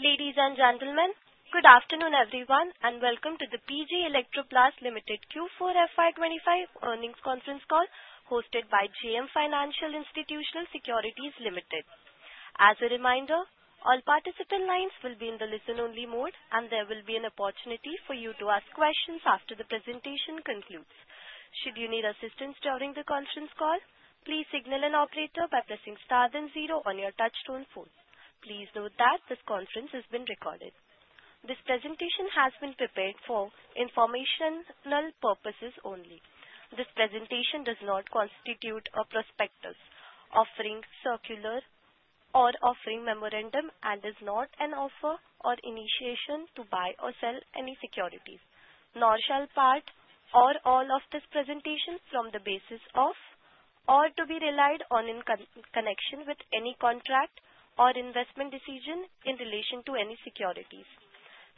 Ladies and gentlemen, good afternoon everyone, and welcome to the PG Electroplast Limited Q4 FY25 earnings conference call hosted by JM Financial Institutional Securities Limited. As a reminder, all participant lines will be in the listen-only mode, and there will be an opportunity for you to ask questions after the presentation concludes. Should you need assistance during the conference call, please signal an operator by pressing star then zero on your touch-tone phone. Please note that this conference has been recorded. This presentation has been prepared for informational purposes only. This presentation does not constitute a prospectus, offering circular or offering memorandum, and is not an offer or invitation to buy or sell any securities. Nor shall part or all of this presentation form the basis of or to be relied on in connection with any contract or investment decision in relation to any securities.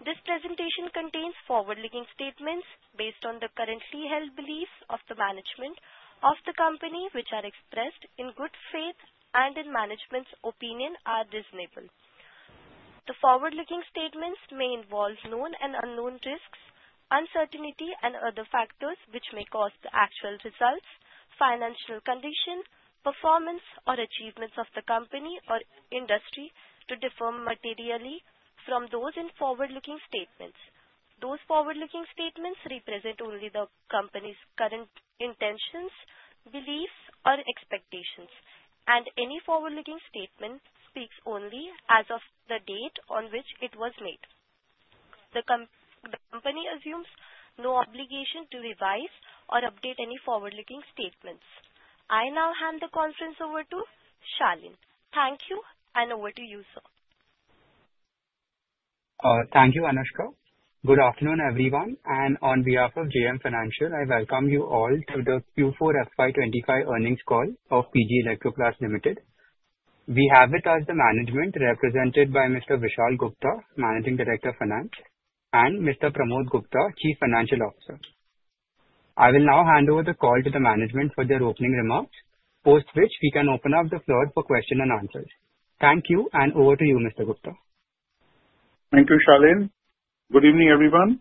This presentation contains forward-looking statements based on the currently held beliefs of the management of the company, which are expressed in good faith and in management's opinion are reasonable. The forward-looking statements may involve known and unknown risks, uncertainty, and other factors which may cause the actual results, financial condition, performance, or achievements of the company or industry to differ materially from those in forward-looking statements. Those forward-looking statements represent only the company's current intentions, beliefs, or expectations, and any forward-looking statement speaks only as of the date on which it was made. The company assumes no obligation to revise or update any forward-looking statements. I now hand the conference over to Shalin. Thank you, and over to you, sir. Thank you, Anushka. Good afternoon, everyone. On behalf of JM Financial, I welcome you all to the Q4 FY25 earnings call of PG Electroplast Limited. We have with us the management represented by Mr. Vishal Gupta, Managing Director (Operations), and Mr. Pramod Gupta, Chief Financial Officer. I will now hand over the call to the management for their opening remarks, post which we can open up the floor for questions and answers. Thank you, and over to you, Mr. Gupta. Thank you, Shalin. Good evening, everyone.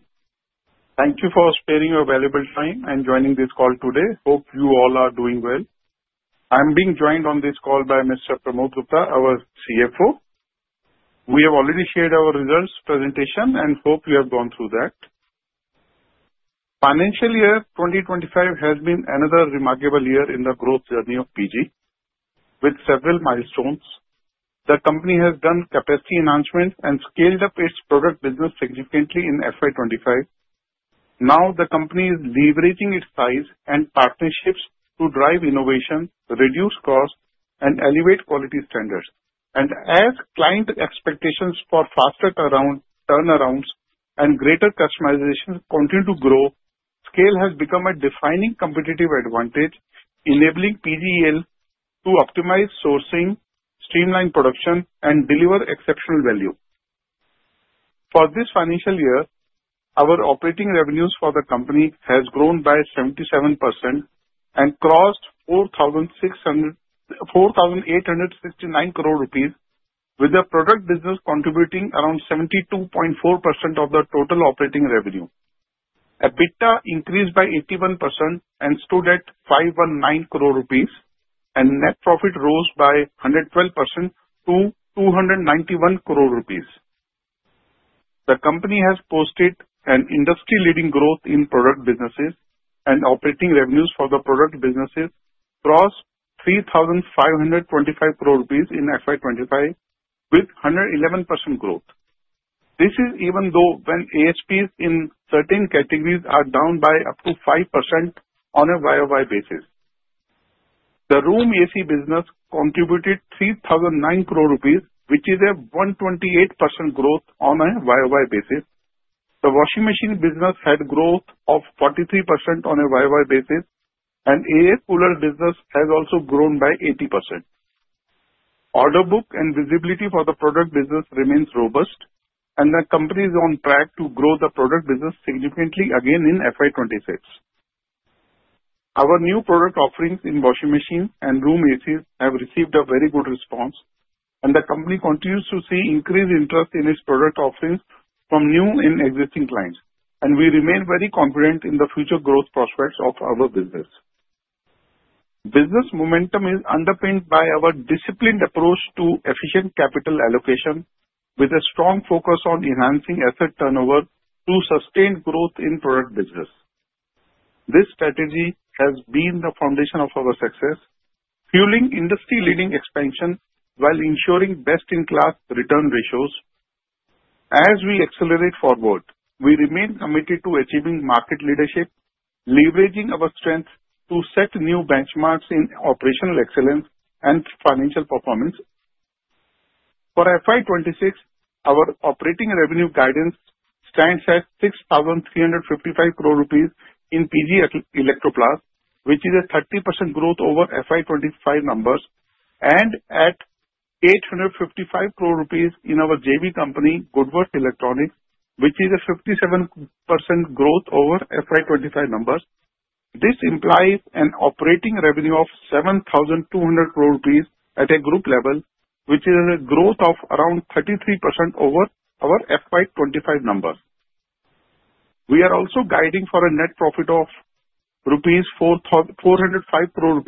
Thank you for sparing your valuable time and joining this call today. Hope you all are doing well. I'm being joined on this call by Mr. Pramod Gupta, our CFO. We have already shared our results presentation, and hope you have gone through that. Financial year 2025 has been another remarkable year in the growth journey of PG, with several milestones. The company has done capacity enhancement and scaled up its product business significantly in FY25. Now, the company is leveraging its size and partnerships to drive innovation, reduce costs, and elevate quality standards, and as client expectations for faster turnarounds and greater customization continue to grow, scale has become a defining competitive advantage, enabling PGEL to optimize sourcing, streamline production, and deliver exceptional value. For this financial year, our operating revenues for the company have grown by 77% and crossed ₹4,869 crore, with the product business contributing around 72.4% of the total operating revenue. EBITDA increased by 81% and stood at ₹519 crore, and net profit rose by 112% to ₹291 crore. The company has posted an industry-leading growth in product businesses, and operating revenues for the product businesses crossed ₹3,525 crore in FY25, with 111% growth. This is even though when ASPs in certain categories are down by up to 5% on a YOY basis. The room AC business contributed ₹3,009 crore, which is a 128% growth on a YOY basis. The washing machine business had growth of 43% on a YOY basis, and Air cooler business has also grown by 80%. Order book and visibility for the product business remains robust, and the company is on track to grow the product business significantly again in FY26. Our new product offerings in washing machines and room ACs have received a very good response, and the company continues to see increased interest in its product offerings from new and existing clients, and we remain very confident in the future growth prospects of our business. Business momentum is underpinned by our disciplined approach to efficient capital allocation, with a strong focus on enhancing asset turnover to sustain growth in product business. This strategy has been the foundation of our success, fueling industry-leading expansion while ensuring best-in-class return ratios. As we accelerate forward, we remain committed to achieving market leadership, leveraging our strengths to set new benchmarks in operational excellence and financial performance. For FY26, our operating revenue guidance stands at ₹6,355 crore in PG Electroplast, which is a 30% growth over FY25 numbers, and at ₹855 crore in our JV company, Goodworth Electronics, which is a 57% growth over FY25 numbers. This implies an operating revenue of ₹7,200 crore at a group level, which is a growth of around 33% over our FY25 numbers. We are also guiding for a net profit of ₹405 crore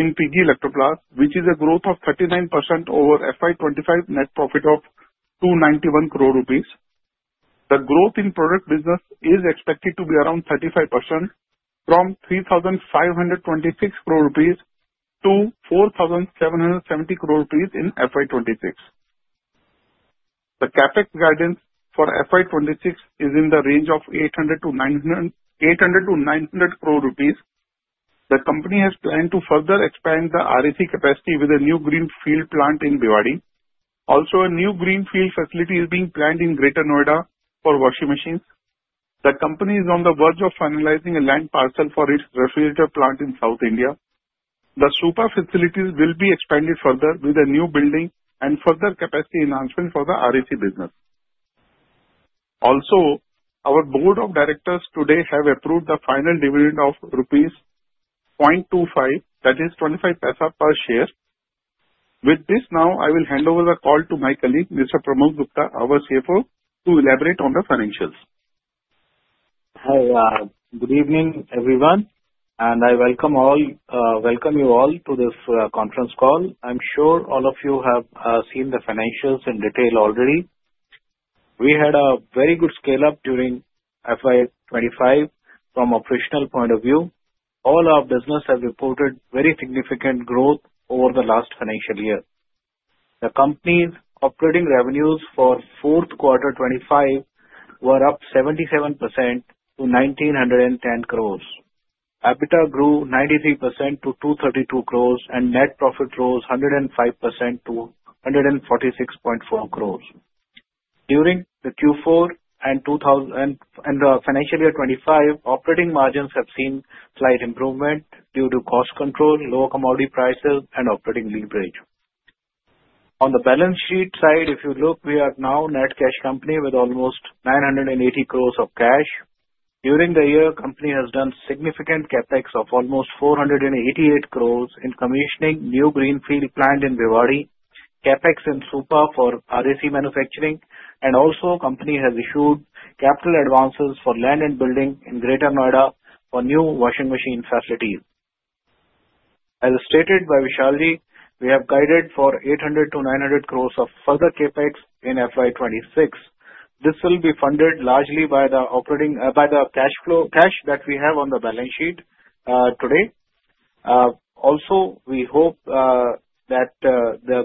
in PG Electroplast, which is a growth of 39% over FY25 net profit of ₹291 crore. The growth in product business is expected to be around 35% from ₹3,526 crore to ₹4,770 crore in FY26. The CapEx guidance for FY26 is in the range of ₹800-₹900 crore. The company has planned to further expand the RAC capacity with a new greenfield plant in Bhiwadi. Also, a new greenfield facility is being planned in Greater Noida for washing machines. The company is on the verge of finalizing a land parcel for its refrigerator plant in South India. The Supa facilities will be expanded further with a new building and further capacity enhancement for the RAC business. Also, our Board of Directors today have approved the final dividend of ₹0.25, that is 25 paisa per share. With this, now I will hand over the call to my colleague, Mr. Pramod Gupta, our CFO, to elaborate on the financials. Hi, good evening, everyone. I welcome you all to this conference call. I'm sure all of you have seen the financials in detail already. We had a very good scale-up during FY25. From an operational point of view, all our businesses have reported very significant growth over the last financial year. The company's operating revenues for Q4 25 were up 77% to ₹1,910 crore. EBITDA grew 93% to ₹232 crore, and net profit rose 105% to ₹146.4 crore. During the Q4 and the financial year 25, operating margins have seen slight improvement due to cost control, lower commodity prices, and operating leverage. On the balance sheet side, if you look, we are now a net cash company with almost ₹980 crore of cash. During the year, the company has done significant CapEx of almost 488 crore in commissioning new greenfield plant in Bhiwadi, CapEx in Supa for AC manufacturing, and also, the company has issued capital advances for land and building in Greater Noida for new washing machine facilities. As stated by Vishalji, we have guided for 800-900 crore of further CapEx in FY26. This will be funded largely by the cash that we have on the balance sheet today. Also, we hope that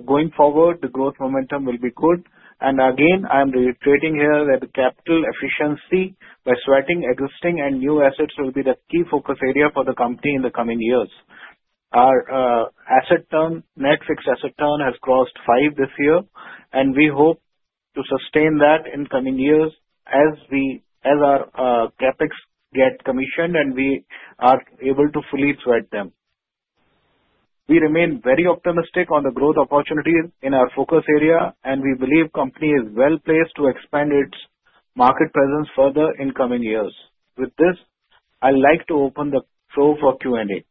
going forward, the growth momentum will be good. And again, I'm reiterating here that capital efficiency by sweating existing and new assets will be the key focus area for the company in the coming years. Our net fixed asset turn has crossed five this year, and we hope to sustain that in coming years as our CapEx gets commissioned and we are able to fully sweat them. We remain very optimistic on the growth opportunities in our focus area, and we believe the company is well placed to expand its market presence further in coming years. With this, I'd like to open the floor for Q&A.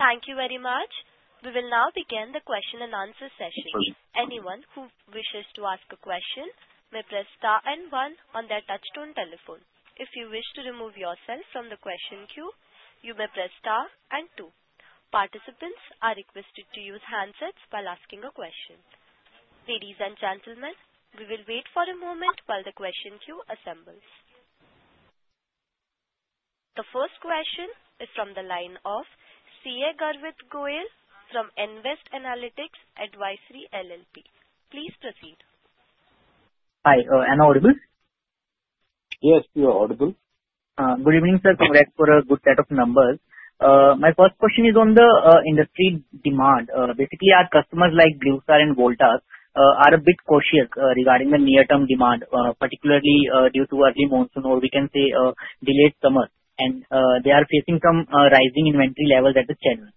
Thank you very much. We will now begin the question and answer session. Anyone who wishes to ask a question may press star and one on their touch-tone telephone. If you wish to remove yourself from the question queue, you may press star and two. Participants are requested to use handsets while asking a question. Ladies and gentlemen, we will wait for a moment while the question queue assembles. The first question is from the line of C.A. Garvit Goyal from Nvest Analytics Advisory LLP. Please proceed. Hi, am I audible? Yes, you're audible. Good evening, sir. Congrats for a good set of numbers. My first question is on the industry demand. Basically, our customers like Blue Star and Voltas are a bit cautious regarding the near-term demand, particularly due to early monsoon, or we can say delayed summer. And they are facing some rising inventory levels at this channel.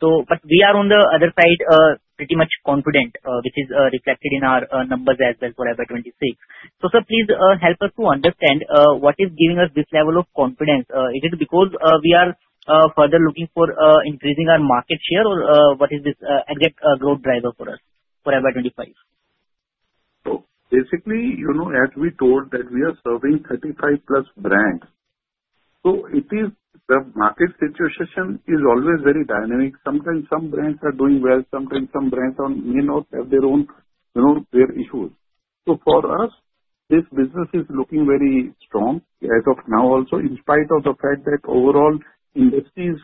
But we are on the other side pretty much confident, which is reflected in our numbers as well for FY26. So sir, please help us to understand what is giving us this level of confidence. Is it because we are further looking for increasing our market share, or what is this exact growth driver for us for FY25? So basically, as we told that we are serving 35-plus brands. So the market situation is always very dynamic. Sometimes some brands are doing well. Sometimes some brands in the north have their own issues. So for us, this business is looking very strong as of now, also in spite of the fact that overall industry is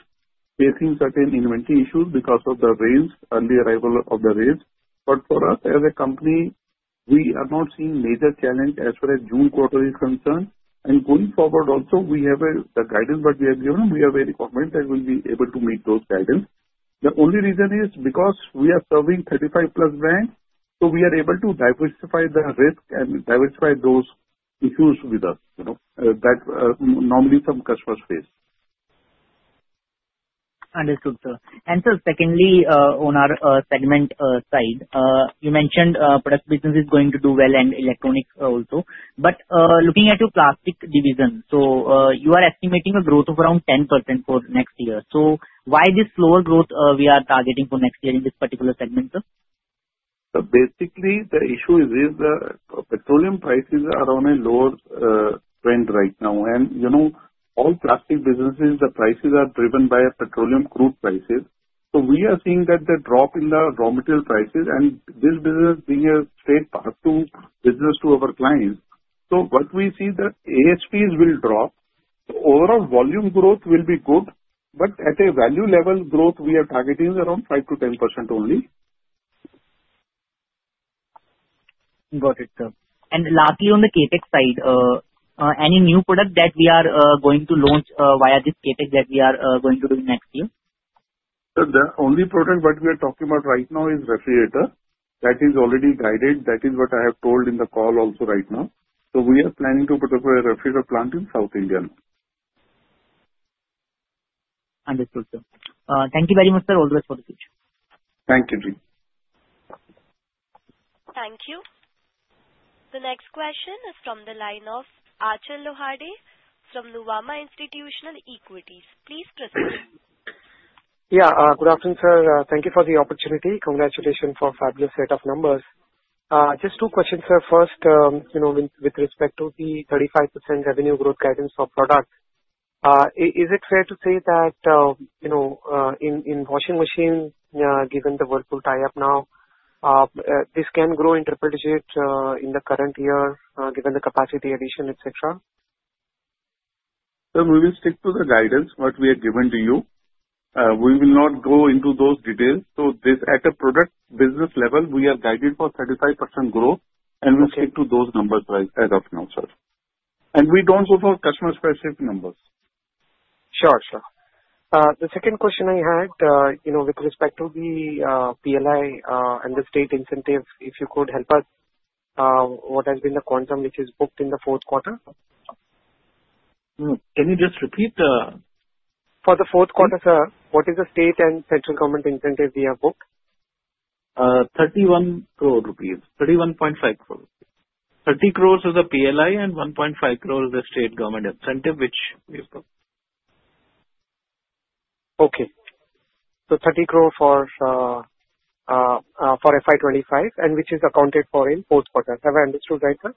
facing certain inventory issues because of the rains, early arrival of the rains. But for us as a company, we are not seeing major challenge as far as June quarter is concerned. And going forward also, we have the guidance that we have given. We are very confident that we'll be able to meet those guidance. The only reason is because we are serving 35-plus brands, so we are able to diversify the risk and diversify those issues with us that normally some customers face. Understood, sir. And sir, secondly, on our segment side, you mentioned product business is going to do well and electronics also. But looking at your plastic division, so you are estimating a growth of around 10% for next year. So why this slower growth we are targeting for next year in this particular segment, sir? Basically, the issue is petroleum prices are on a lower trend right now. All plastic businesses, the prices are driven by petroleum crude prices. We are seeing that the drop in the raw material prices and this business being a straight pass-through business to our clients. What we see is that ASPs will drop. Overall volume growth will be good, but at a value level growth, we are targeting around 5%-10% only. Got it, sir, and lastly, on the CapEx side, any new product that we are going to launch via this CapEx that we are going to do next year? The only product that we are talking about right now is refrigerator. That is already guided. That is what I have told in the call also right now, so we are planning to put up a refrigerator plant in South India now. Understood, sir. Thank you very much, sir. Always for the future. Thank you, Team. Thank you. The next question is from the line of Achal Lohade from Nuvama Institutional Equities. Please proceed. Yeah, good afternoon, sir. Thank you for the opportunity. Congratulations for a fabulous set of numbers. Just two questions, sir. First, with respect to the 35% revenue growth guidance for product, is it fair to say that in washing machines, given the Whirlpool tie-up now, this can grow in triple digit in the current year given the capacity addition, etc.? Sir, we will stick to the guidance, what we have given to you. We will not go into those details. So at a product business level, we are guided for 35% growth, and we'll stick to those numbers as of now, sir. And we don't go for customer-specific numbers. Sure, sure. The second question I had with respect to the PLI and the state incentive, if you could help us, what has been the quantum which is booked in the fourth quarter? Can you just repeat the? For the fourth quarter, sir, what is the state and central government incentive we have booked? 31.5 crore. 30 crore is the PLI, and 1.5 crore is the state government incentive, which we have booked. Okay. So 30 crore for FY25, and which is accounted for in fourth quarter. Have I understood right, sir?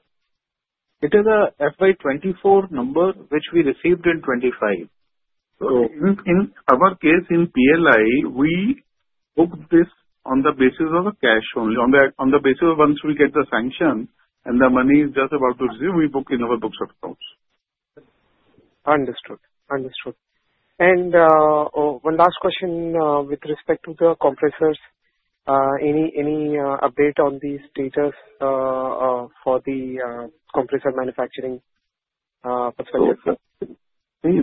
It is a FY24 number, which we received in 2025. So in our case in PLI, we booked this on the basis of cash only. On the basis of once we get the sanction and the money is just about to receive, we book in our books of accounts. Understood. Understood. And one last question with respect to the compressors. Any update on the status for the compressor manufacturing perspective? So, sir,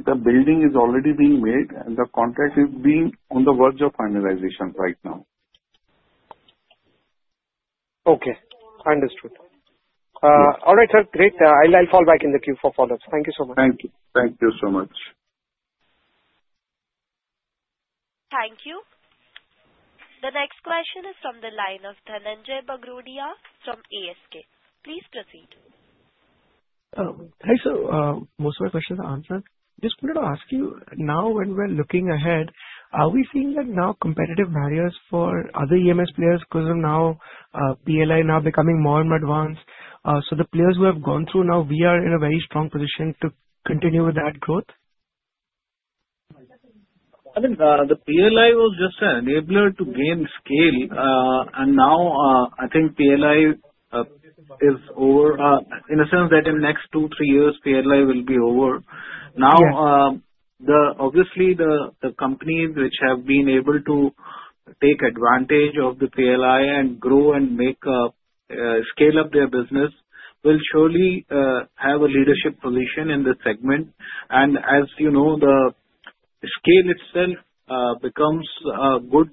the building is already being made, and the contract is being on the verge of finalization right now. Okay. Understood. All right, sir. Great. I'll fall back in the queue for follow-ups. Thank you so much. Thank you. Thank you so much. Thank you. The next question is from the line of Dhananjay Bagrodia from ASK. Please proceed. Hi, sir. Most of my questions are answered. Just wanted to ask you, now when we're looking ahead, are we seeing now competitive barriers for other EMS players because now PLI is becoming more and more advanced? So the players who have gone through now, we are in a very strong position to continue with that growth? I mean, the PLI was just an enabler to gain scale. And now I think PLI is over in a sense that in the next two, three years, PLI will be over. Now, obviously, the companies which have been able to take advantage of the PLI and grow and scale up their business will surely have a leadership position in the segment. And as you know, the scale itself becomes a good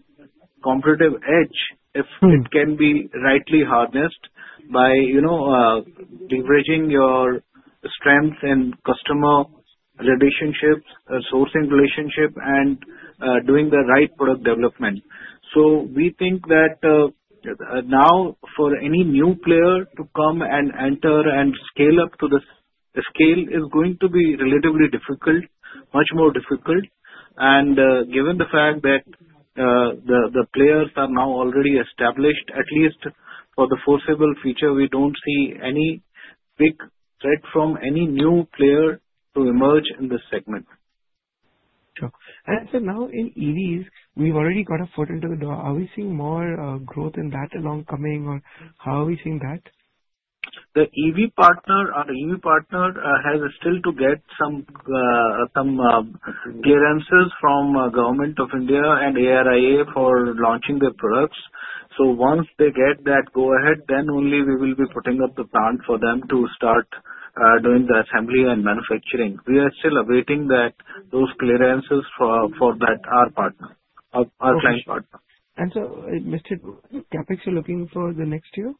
competitive edge if it can be rightly harnessed by leveraging your strengths and customer relationships, sourcing relationship, and doing the right product development. So we think that now for any new player to come and enter and scale up to the scale is going to be relatively difficult, much more difficult. Given the fact that the players are now already established, at least for the Frost Free feature, we don't see any big threat from any new player to emerge in this segment. Sure. And sir, now in EVs, we've already got a foot in the door. Are we seeing more growth in that along coming, or how are we seeing that? The EV partner has still to get some clearances from the Government of India and ARAI for launching their products. So once they get that go-ahead, then only we will be putting up the plant for them to start doing the assembly and manufacturing. We are still awaiting those clearances for our partner, our client partner. Sir, on CapEx, you're looking for the next year?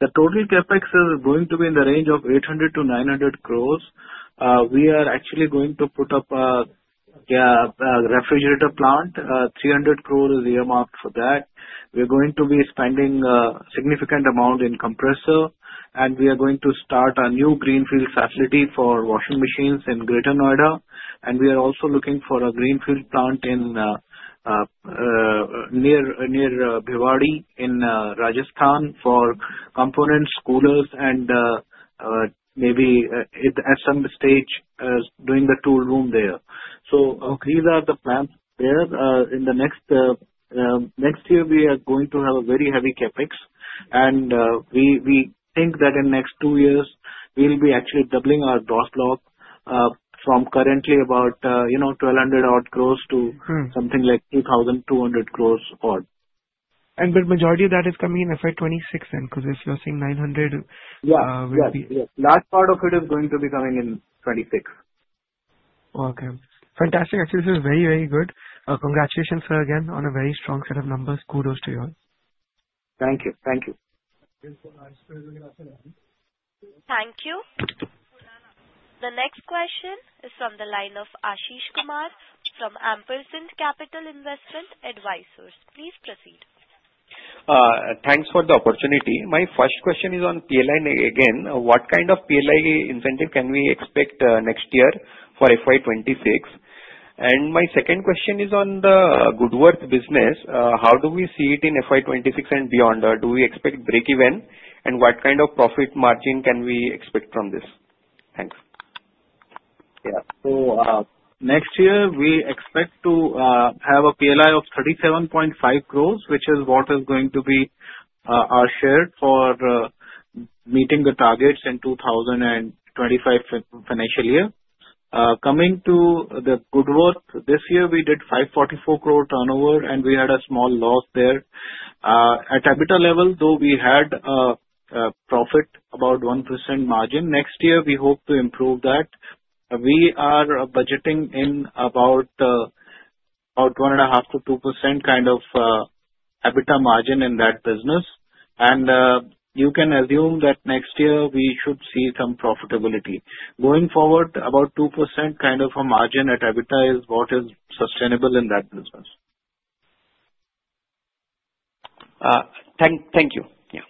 The total CapEx is going to be in the range of ₹800-₹900 crore. We are actually going to put up a refrigerator plant. ₹300 crore is earmarked for that. We are going to be spending a significant amount in compressor. And we are going to start a new greenfield facility for washing machines in Greater Noida. And we are also looking for a greenfield plant near Bhiwadi in Rajasthan for components, coolers, and maybe at some stage doing the tool room there. So these are the plans there. In the next year, we are going to have a very heavy CapEx. And we think that in the next two years, we'll be actually doubling our gross block from currently about ₹1,200 crore to something like ₹2,200 crore odd. The majority of that is coming in FY26 then because if you're seeing 900, would it be? Yeah. Yeah. The last part of it is going to be coming in 2026. Okay. Fantastic. Actually, this is very, very good. Congratulations, sir, again on a very strong set of numbers. Kudos to you all. Thank you. Thank you. Thank you. The next question is from the line of Ashish Kumar from Ampersand Capital Investment Advisors. Please proceed. Thanks for the opportunity. My first question is on PLI again. What kind of PLI incentive can we expect next year for FY26? And my second question is on the Goodworth business. How do we see it in FY26 and beyond? Do we expect breakeven? And what kind of profit margin can we expect from this? Thanks. Yeah. So next year, we expect to have a PLI of 37.5 crore, which is what is going to be our share for meeting the targets in 2025 financial year. Coming to the Goodworth, this year, we did 544 crore turnover, and we had a small loss there. At EBITDA level, though, we had a profit of about 1% margin. Next year, we hope to improve that. We are budgeting in about 1.5%-2% kind of EBITDA margin in that business. And you can assume that next year, we should see some profitability. Going forward, about 2% kind of a margin at EBITDA is what is sustainable in that business. Thank you. Yeah.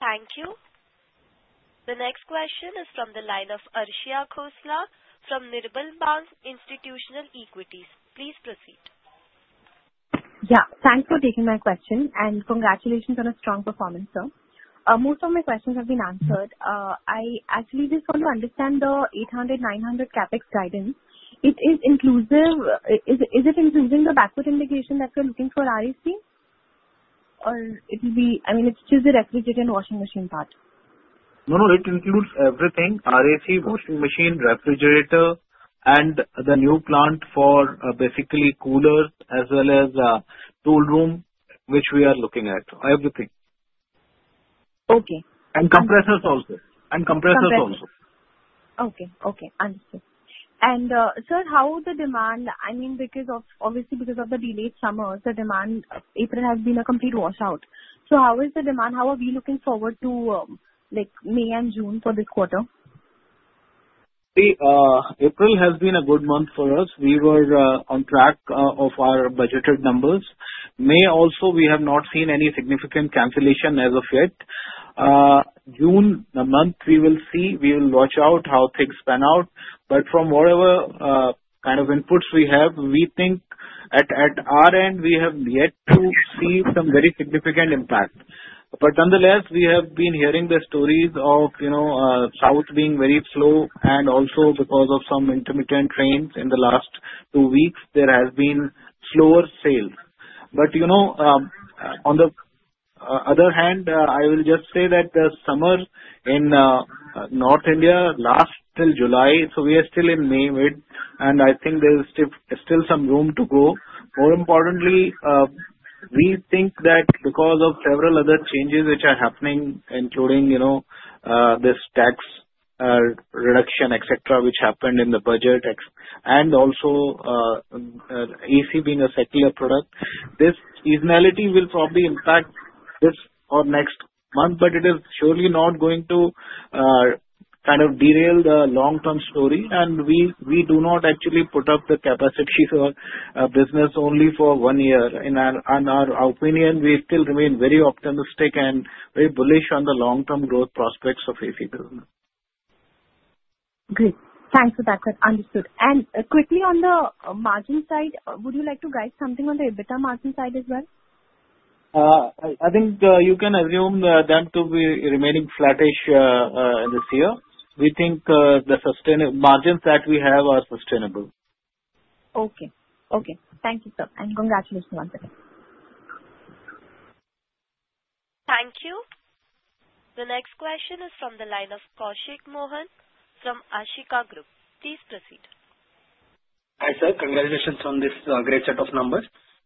Thank you. The next question is from the line of Arshiya Khosla from Nirmal Bang Institutional Equities. Please proceed. Yeah. Thanks for taking my question. And congratulations on a strong performance, sir. Most of my questions have been answered. I actually just want to understand the 800, 900 CapEx guidance. Is it including the backward integration that we're looking for RAC? Or it will be, I mean, it's just the refrigerator and washing machine part? No, no. It includes everything: RAC, washing machine, refrigerator, and the new plant for basically coolers as well as tool room, which we are looking at. Everything. Okay. And compressors also. Okay. Okay. Understood. And sir, how would the demand, I mean, obviously, because of the delayed summers, the demand, April has been a complete washout. So how is the demand? How are we looking forward to May and June for this quarter? April has been a good month for us. We were on track of our budgeted numbers. May also, we have not seen any significant cancellation as of yet. June, the month we will see. We will watch out how things pan out. But from whatever kind of inputs we have, we think at our end, we have yet to see some very significant impact. But nonetheless, we have been hearing the stories of South being very slow and also because of some intermittent rains in the last two weeks, there has been slower sales. But on the other hand, I will just say that the summer in North India lasts till July. So we are still in May, and I think there's still some room to grow. More importantly, we think that because of several other changes which are happening, including this tax reduction, etc., which happened in the budget, and also AC being a secular product, this seasonality will probably impact this or next month. But it is surely not going to kind of derail the long-term story. And we do not actually put up the capacity for business only for one year. In our opinion, we still remain very optimistic and very bullish on the long-term growth prospects of AC business. Okay. Thanks for that. Understood. And quickly, on the margin side, would you like to guide something on the EBITDA margin side as well? I think you can assume that we are remaining flattish this year. We think the margins that we have are sustainable. Okay. Thank you, sir, and congratulations once again. Thank you. The next question is from the line of Kaushik Mohan from Ashika Group. Please proceed. Hi, sir. Congratulations on this great set of numbers.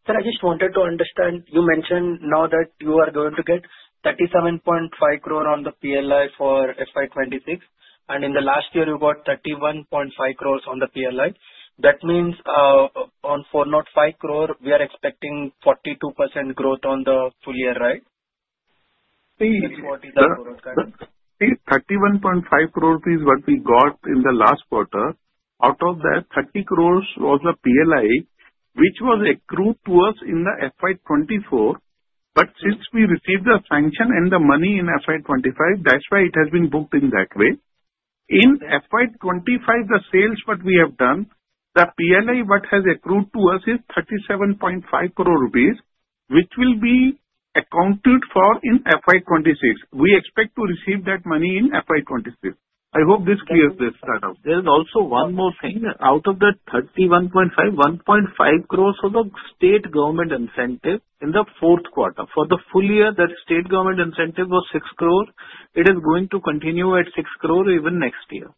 Sir, I just wanted to understand. You mentioned now that you are going to get ₹37.5 crore on the PLI for FY26. And in the last year, you got ₹31.5 crores on the PLI. That means on ₹405 crore, we are expecting 42% growth on the full year, right? See, ₹31.5 crore is what we got in the last quarter. Out of that, ₹30 crores was the PLI, which was accrued to us in the FY24. But since we received the sanction and the money in FY25, that's why it has been booked in that way. In FY25, the sales what we have done, the PLI what has accrued to us is ₹37.5 crore, which will be accounted for in FY26. We expect to receive that money in FY26. I hope this clears this setup. There is also one more thing. Out of that ₹31.5, ₹1.5 crores for the state government incentive in the fourth quarter. For the full year, that state government incentive was ₹6 crore. It is going to continue at ₹6 crore even next year.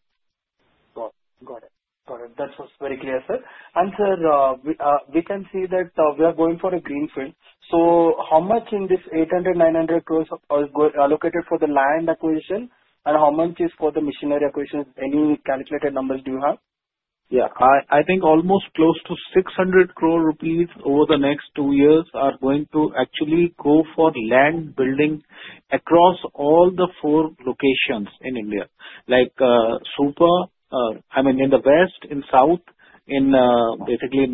Got it. Got it. That was very clear, sir. And sir, we can see that we are going for a greenfield. So how much in this ₹800-₹900 crores allocated for the land acquisition, and how much is for the machinery acquisition? Any calculated numbers do you have? Yeah. I think almost close to 600 crore rupees over the next two years are going to actually go for land building across all the four locations in India, like Supa, I mean, in the west, in south, in basically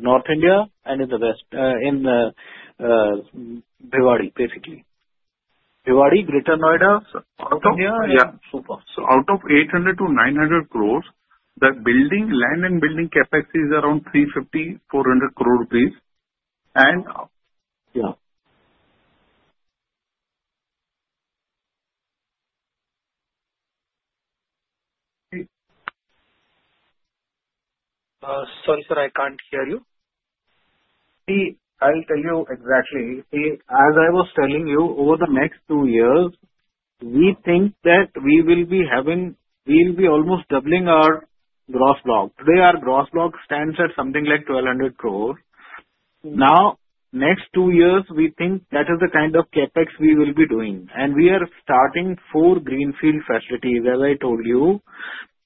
North India, and in the west, in Bhiwadi, basically. Bhiwadi, Greater Noida, South India, and Supa. Out of ₹800-₹900 crore, the land and building CapEx is around ₹350-₹400 crore. And. Yeah. Sorry, sir. I can't hear you. See, I'll tell you exactly. As I was telling you, over the next two years, we think that we will be having, we'll be almost doubling our gross block. Today, our gross block stands at something like ₹1,200 crore. Now, next two years, we think that is the kind of CapEx we will be doing. And we are starting four greenfield facilities, as I told you.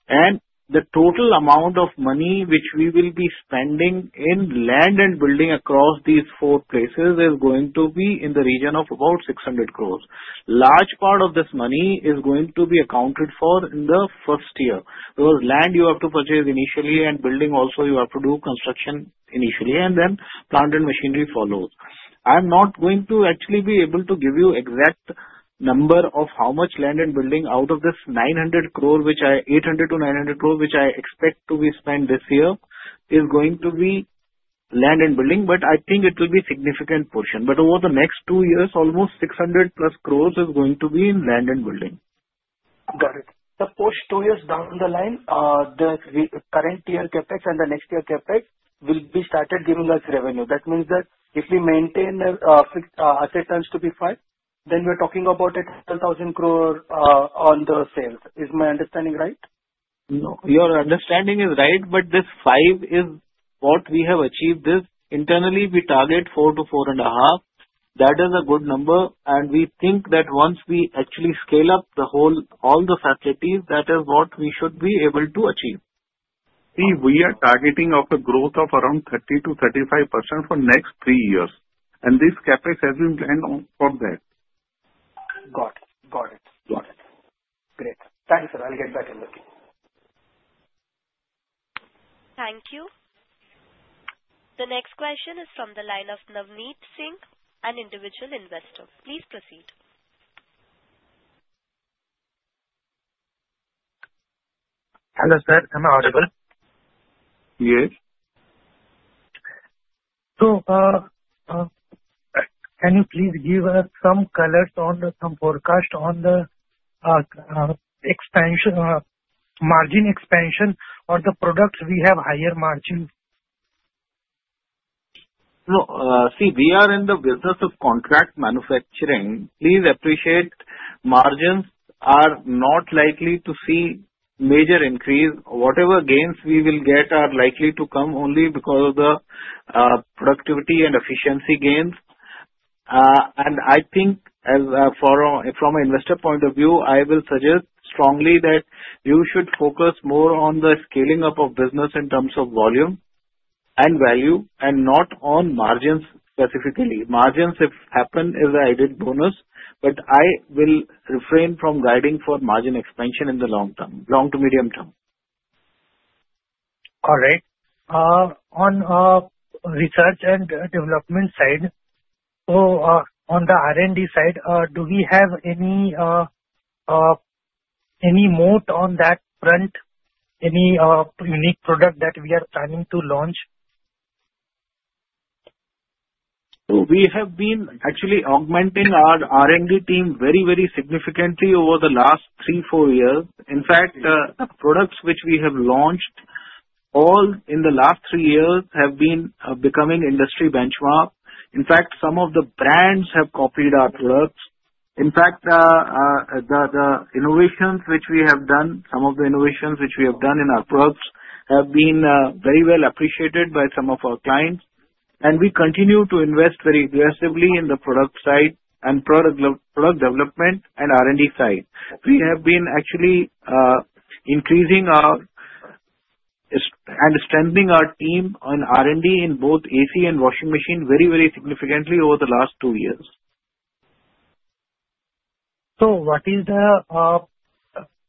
And the total amount of money which we will be spending in land and building across these four places is going to be in the region of about ₹600 crore. Large part of this money is going to be accounted for in the first year. Because land you have to purchase initially, and building also you have to do construction initially, and then plant and machinery follows. I'm not going to actually be able to give you exact number of how much land and building out of this ₹900 crore, ₹800-₹900 crore, which I expect to be spent this year is going to be land and building. But I think it will be a significant portion. But over the next two years, almost ₹600 plus crore is going to be in land and building. Got it. The first two years down the line, the current year CapEx and the next year CapEx will be started giving us revenue. That means that if we maintain asset turns to be five, then we're talking about ₹10,000 crore on the sales. Is my understanding right? No. Your understanding is right. But this five is what we have achieved. Internally, we target four to four and a half. That is a good number. And we think that once we actually scale up all the facilities, that is what we should be able to achieve. See, we are targeting a growth of around 30%-35% for the next three years, and this CapEx has been planned for that. Got it. Got it. Got it. Great. Thanks, sir. I'll get back in a bit. Thank you. The next question is from the line of Navneet Singh, an individual investor. Please proceed. Hello, sir. Am I audible? Yes. So can you please give us some colors on some forecast on the margin expansion on the products we have higher margins? No. See, we are in the business of contract manufacturing. Please appreciate, margins are not likely to see major increase. Whatever gains we will get are likely to come only because of the productivity and efficiency gains. And I think from an investor point of view, I will suggest strongly that you should focus more on the scaling up of business in terms of volume and value and not on margins specifically. Margins, if happen, is an added bonus. But I will refrain from guiding for margin expansion in the long term, long to medium term. All right. On research and development side, so on the R&D side, do we have any moat on that front, any unique product that we are planning to launch? So we have been actually augmenting our R&D team very, very significantly over the last three, four years. In fact, the products which we have launched all in the last three years have been becoming industry benchmark. In fact, some of the brands have copied our products. In fact, the innovations which we have done, some of the innovations which we have done in our products have been very well appreciated by some of our clients. And we continue to invest very aggressively in the product side and product development and R&D side. We have been actually increasing our, and strengthening our team on R&D in both AC and washing machine very, very significantly over the last two years. What is the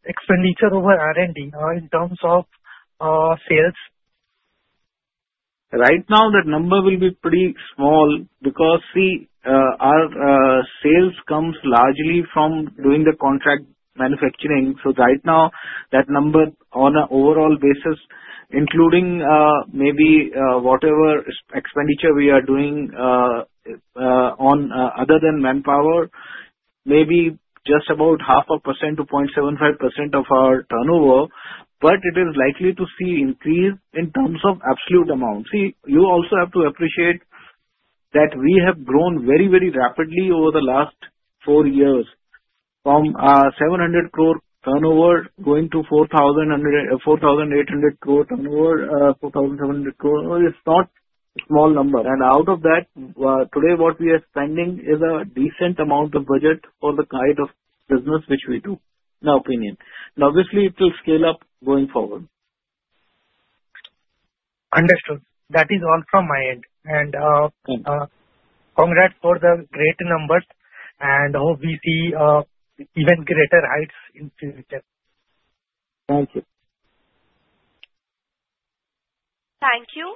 expenditure over R&D in terms of sales? Right now, that number will be pretty small because, see, our sales comes largely from doing the contract manufacturing. So right now, that number on an overall basis, including maybe whatever expenditure we are doing other than manpower, maybe just about 0.5% to 0.75% of our turnover. But it is likely to see increase in terms of absolute amount. See, you also have to appreciate that we have grown very, very rapidly over the last four years from ₹700 crore turnover going to ₹4,800 crore turnover, ₹4,700 crore. It's not a small number. And out of that, today, what we are spending is a decent amount of budget for the kind of business which we do, in my opinion. And obviously, it will scale up going forward. Understood. That is all from my end. And congrats for the great numbers. And I hope we see even greater heights in the future. Thank you. Thank you.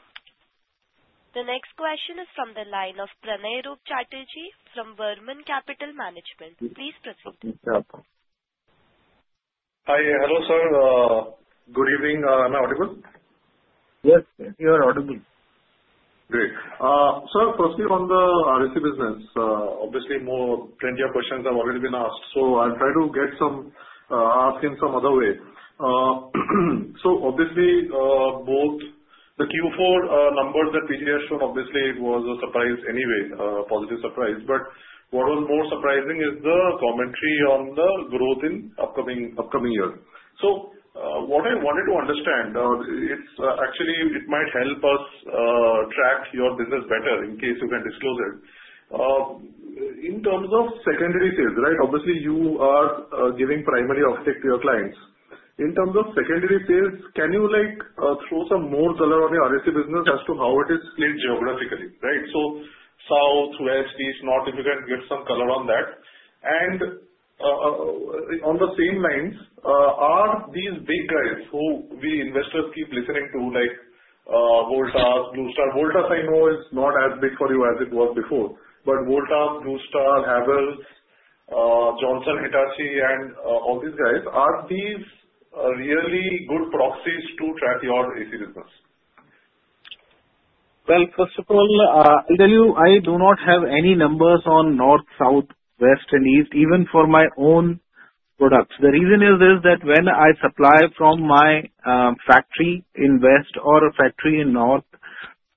The next question is from the line of Pranay Roop Chatterjee from Burman Capital Management. Please proceed. Hi, hello, sir. Good evening. Am I audible? Yes, sir. You are audible. Great. Sir, firstly, on the RAC business, obviously, plenty of questions have already been asked. So I'll try to get some ask in some other way. So obviously, both the Q4 numbers that PG Electroplast obviously was a surprise anyway, a positive surprise. But what was more surprising is the commentary on the growth in upcoming years. So what I wanted to understand, actually, it might help us track your business better in case you can disclose it. In terms of secondary sales, right, obviously, you are giving primary offtake to your clients. In terms of secondary sales, can you throw some more color on your RAC business as to how it is split geographically, right? So south, west, east, north, if you can give some color on that. And on the same lines, are these big guys who we investors keep listening to like Voltas, Blue Star? Voltas, I know, is not as big for you as it was before. But Voltas, Blue Star, Havells, Johnson Hitachi, and all these guys, are these really good proxies to track your AC business? First of all, I'll tell you, I do not have any numbers on north, south, west, and east, even for my own products. The reason is that when I supply from my factory in west or a factory in north,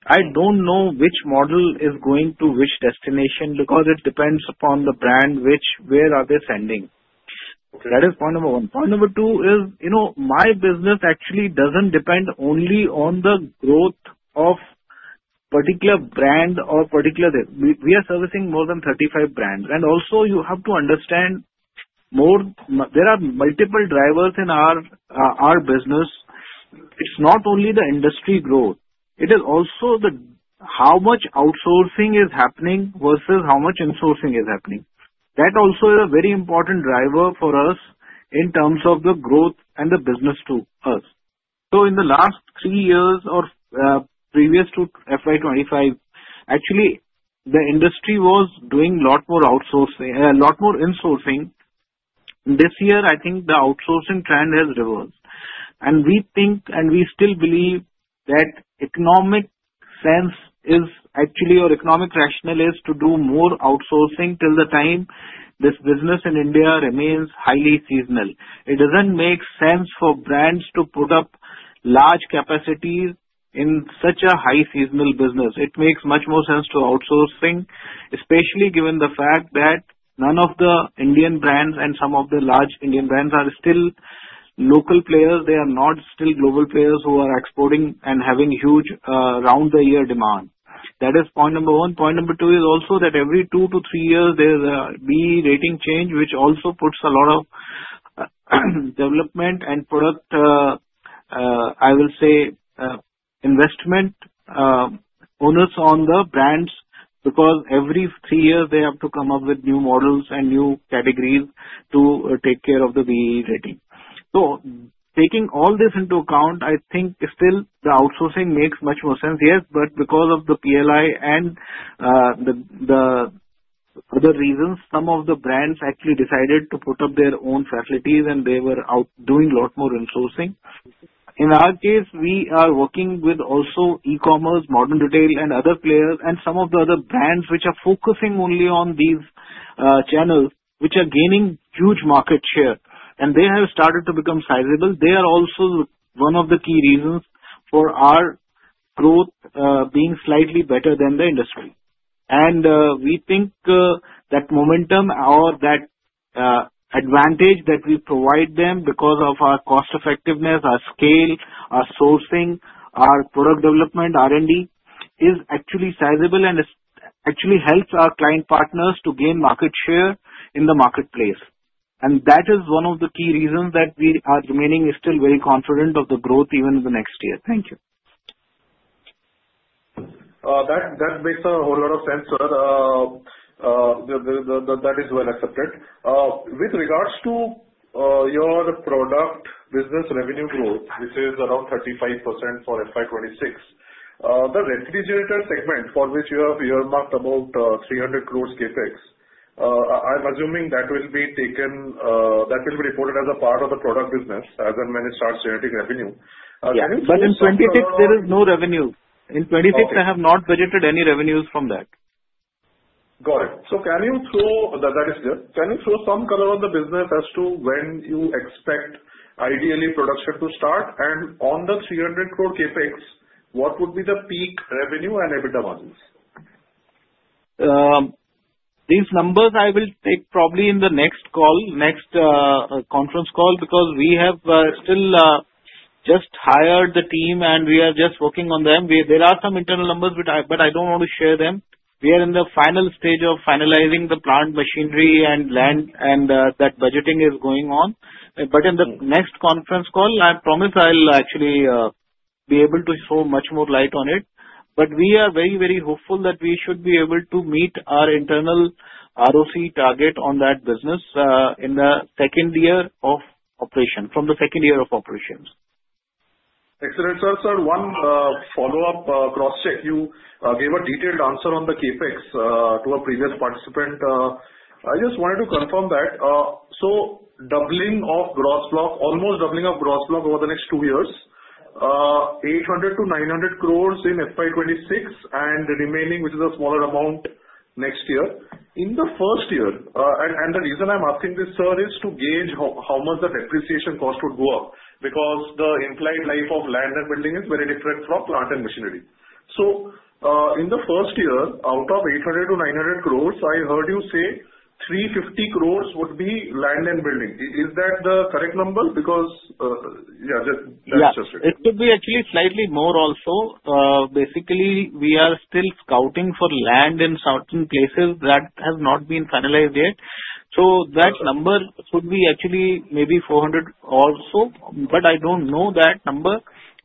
I don't know which model is going to which destination because it depends upon the brand which where are they sending. That is point number one. Point number two is my business actually doesn't depend only on the growth of a particular brand or particular we are servicing more than 35 brands. And also, you have to understand more there are multiple drivers in our business. It's not only the industry growth. It is also how much outsourcing is happening versus how much insourcing is happening. That also is a very important driver for us in terms of the growth and the business to us. So in the last three years or previous to FY25, actually, the industry was doing a lot more outsourcing, a lot more insourcing. This year, I think the outsourcing trend has reversed. And we think and we still believe that economic sense is actually or economic rationale is to do more outsourcing till the time this business in India remains highly seasonal. It doesn't make sense for brands to put up large capacities in such a high-seasonal business. It makes much more sense to outsourcing, especially given the fact that none of the Indian brands and some of the large Indian brands are still local players. They are not still global players who are exporting and having huge round-the-year demand. That is point number one. Point number two is also that every two to three years, there is a BEE rating change, which also puts a lot of development and product, I will say, investment onus on the brands because every three years, they have to come up with new models and new categories to take care of the BEE rating. So taking all this into account, I think still the outsourcing makes much more sense, yes. But because of the PLI and the other reasons, some of the brands actually decided to put up their own facilities, and they were doing a lot more insourcing. In our case, we are working with also e-commerce, modern retail, and other players, and some of the other brands which are focusing only on these channels, which are gaining huge market share, and they have started to become sizable. They are also one of the key reasons for our growth being slightly better than the industry, and we think that momentum or that advantage that we provide them because of our cost-effectiveness, our scale, our sourcing, our product development, R&D is actually sizable and actually helps our client partners to gain market share in the marketplace, and that is one of the key reasons that we are remaining still very confident of the growth even in the next year. Thank you. That makes a whole lot of sense, sir. That is well accepted. With regards to your product business revenue growth, which is around 35% for FY26, the refrigerator segment for which you have earmarked about ₹300 crore CapEx, I'm assuming that will be reported as a part of the product business as and when it starts generating revenue. In 2026, there is no revenue. In 2026, I have not budgeted any revenues from that. Got it. So can you throw some color on the business as to when you expect ideally production to start? And on the ₹300 crore CapEx, what would be the peak revenue and EBITDA margins? These numbers, I will take probably in the next call, next conference call, because we have still just hired the team, and we are just working on them. There are some internal numbers, but I don't want to share them. We are in the final stage of finalizing the plant machinery and land, and that budgeting is going on. But in the next conference call, I promise I'll actually be able to throw much more light on it. But we are very, very hopeful that we should be able to meet our internal ROC target on that business in the second year of operation, from the second year of operations. Excellent, sir. Sir, one follow-up cross-check. You gave a detailed answer on the CapEx to a previous participant. I just wanted to confirm that. So doubling of gross block, almost doubling of gross block over the next two years, 800-900 crores in FY26, and the remaining, which is a smaller amount next year. In the first year, and the reason I'm asking this, sir, is to gauge how much the depreciation cost would go up because the implied life of land and building is very different from plant and machinery. So in the first year, out of 800-900 crores, I heard you say 350 crores would be land and building. Is that the correct number? Because yeah, that's just it. Yeah. It could be actually slightly more also. Basically, we are still scouting for land in certain places that have not been finalized yet. So that number should be actually maybe 400 also. But I don't know that number.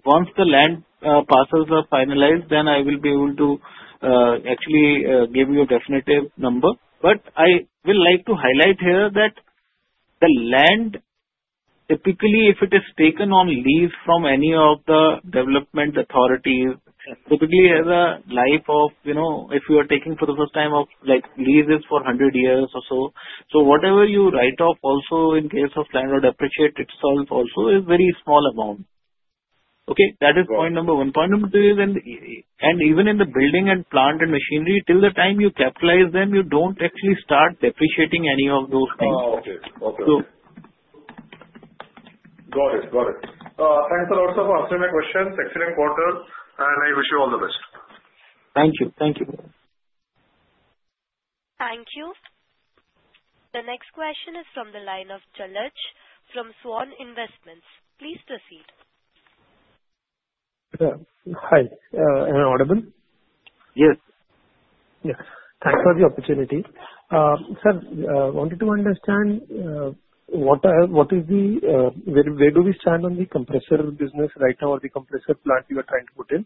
Once the land parcels are finalized, then I will be able to actually give you a definitive number. But I would like to highlight here that the land, typically, if it is taken on lease from any of the development authorities, typically has a life of, if you are taking for the first time, of lease is for 100 years or so. So whatever you write off also in case of land or depreciate itself also is a very small amount. Okay? That is point number one. Point number two is, and even in the building and plant and machinery, till the time you capitalize them, you don't actually start depreciating any of those things. Okay. Okay. Got it. Got it. Thanks a lot for answering my questions. Excellent quarter, and I wish you all the best. Thank you. Thank you. Thank you. The next question is from the line of Jalaj from Svan Investments. Please proceed. Hi. Am I audible? Yes. Yes. Thanks for the opportunity. Sir, I wanted to understand what is, where do we stand on the compressor business right now or the compressor plant you are trying to put in?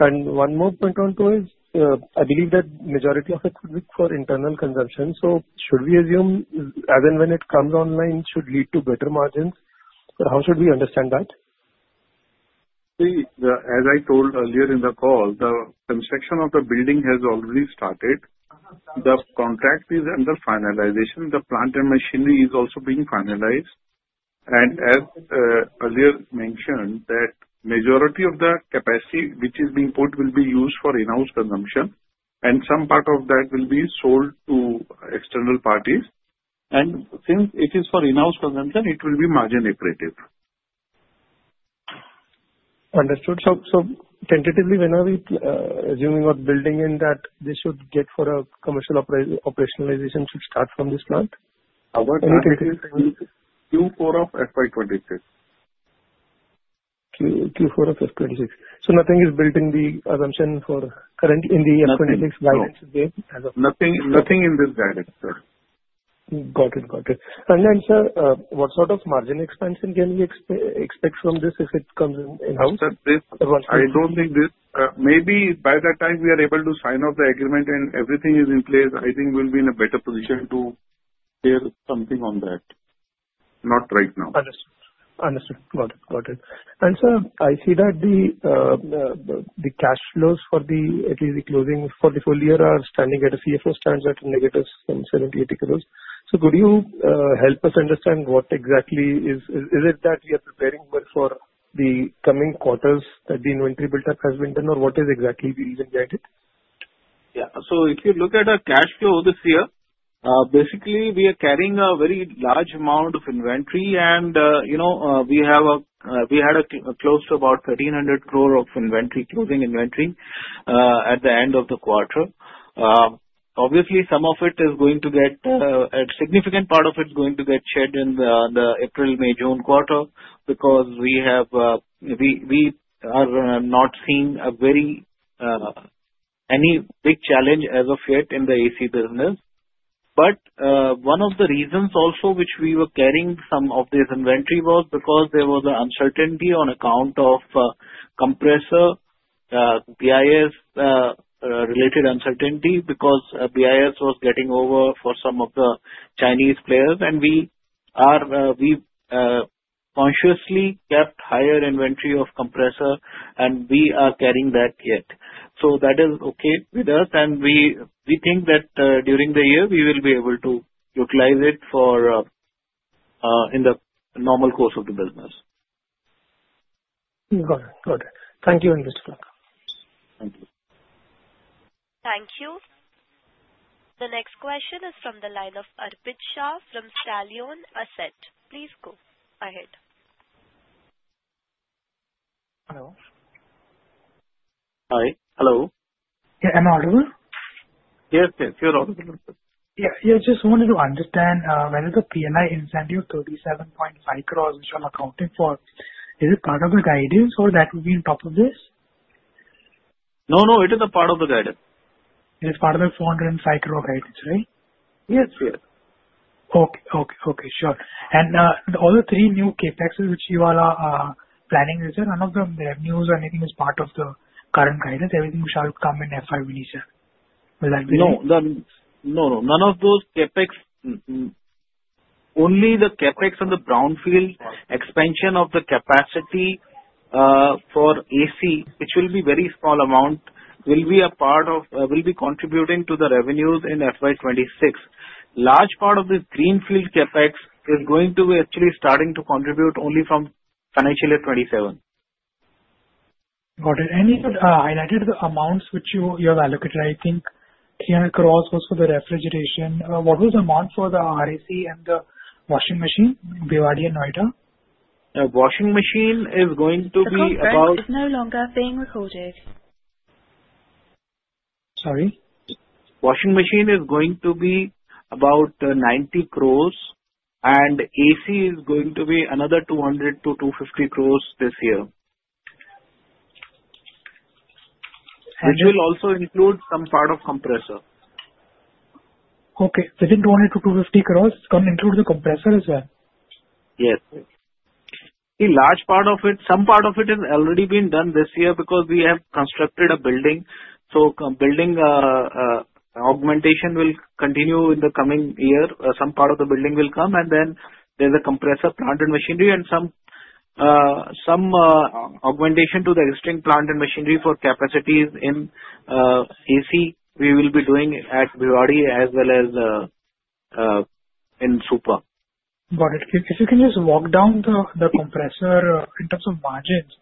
And one more point on this is, I believe that majority of it could be for internal consumption. So should we assume as and when it comes online, it should lead to better margins? How should we understand that? See, as I told earlier in the call, the construction of the building has already started. The contract is under finalization. The plant and machinery is also being finalized. And as earlier mentioned, that majority of the capacity which is being put will be used for in-house consumption, and some part of that will be sold to external parties. And since it is for in-house consumption, it will be margin-accretive. Understood. So tentatively, when are we assuming of building in that this should get for a commercial operationalization should start from this plant? I want to ask you Q4 of FY26. Q4 of FY26, so nothing is built in the assumption for current in the FY26 guidance as of? Nothing in this guidance, sir. Got it. Got it. And then, sir, what sort of margin expansion can we expect from this if it comes in-house? I don't think this. Maybe by the time we are able to sign off the agreement and everything is in place, I think we'll be in a better position to share something on that. Not right now. Understood. Got it. Sir, I see that the cash flows from operations for the full year are standing at, from a CFO's standpoint, a negative 78 crores. So could you help us understand what exactly is it that we are preparing for the coming quarters that the inventory buildup has been done, or what is exactly being invested? Yeah. So if you look at our cash flow this year, basically, we are carrying a very large amount of inventory, and we had close to about ₹1,300 crore of inventory, closing inventory at the end of the quarter. Obviously, some of it, a significant part of it, is going to get shed in the April, May, June quarter because we are not seeing any big challenge as of yet in the AC business. But one of the reasons also which we were carrying some of this inventory was because there was an uncertainty on account of compressor BIS-related uncertainty because BIS was getting over for some of the Chinese players. And we consciously kept higher inventory of compressor, and we are carrying that yet. So that is okay with us. We think that during the year, we will be able to utilize it in the normal course of the business. Got it. Got it. Thank you and best of luck. Thank you. Thank you. The next question is from the line of Arpit Shah from Stallion Asset. Please go ahead. Hello. Hi. Hello. Yeah. Am I audible? Yes, yes. You're audible. Just wanted to understand, when is the PLI incentive 37.5 crores which I'm accounting for? Is it part of the guidance, or that will be on top of this? No, no. It is a part of the guidance. It is part of the 405 crore guidance, right? Yes, yes. Okay. Sure. And all the three new CapEx which you all are planning, is there none of the revenues or anything is part of the current guidance? Everything shall come in FY26. Will that be? No. No, no. None of those CapEx. Only the CapEx on the brownfield expansion of the capacity for AC, which will be a very small amount, will be a part of contributing to the revenues in FY26. Large part of the greenfield CapEx is going to be actually starting to contribute only from financial year 2027. Got it. And you had highlighted the amounts which you have allocated. I think ₹300 crore was for the refrigeration. What was the amount for the RAC and the washing machine, Bhiwadi and Greater Noida? Washing machine is going to be about. Is no longer being recorded. Sorry? Washing machine is going to be about 90 crores, and AC is going to be another 200-250 crores this year, which will also include some part of compressor. Okay. Within 200-250 crores, it's going to include the compressor as well? Yes. See, large part of it, some part of it has already been done this year because we have constructed a building. So building augmentation will continue in the coming year. Some part of the building will come, and then there's a compressor plant and machinery, and some augmentation to the existing plant and machinery for capacities in AC. We will be doing at Bhiwadi as well as in Supa. Got it. If you can just walk through the compressor in terms of margins,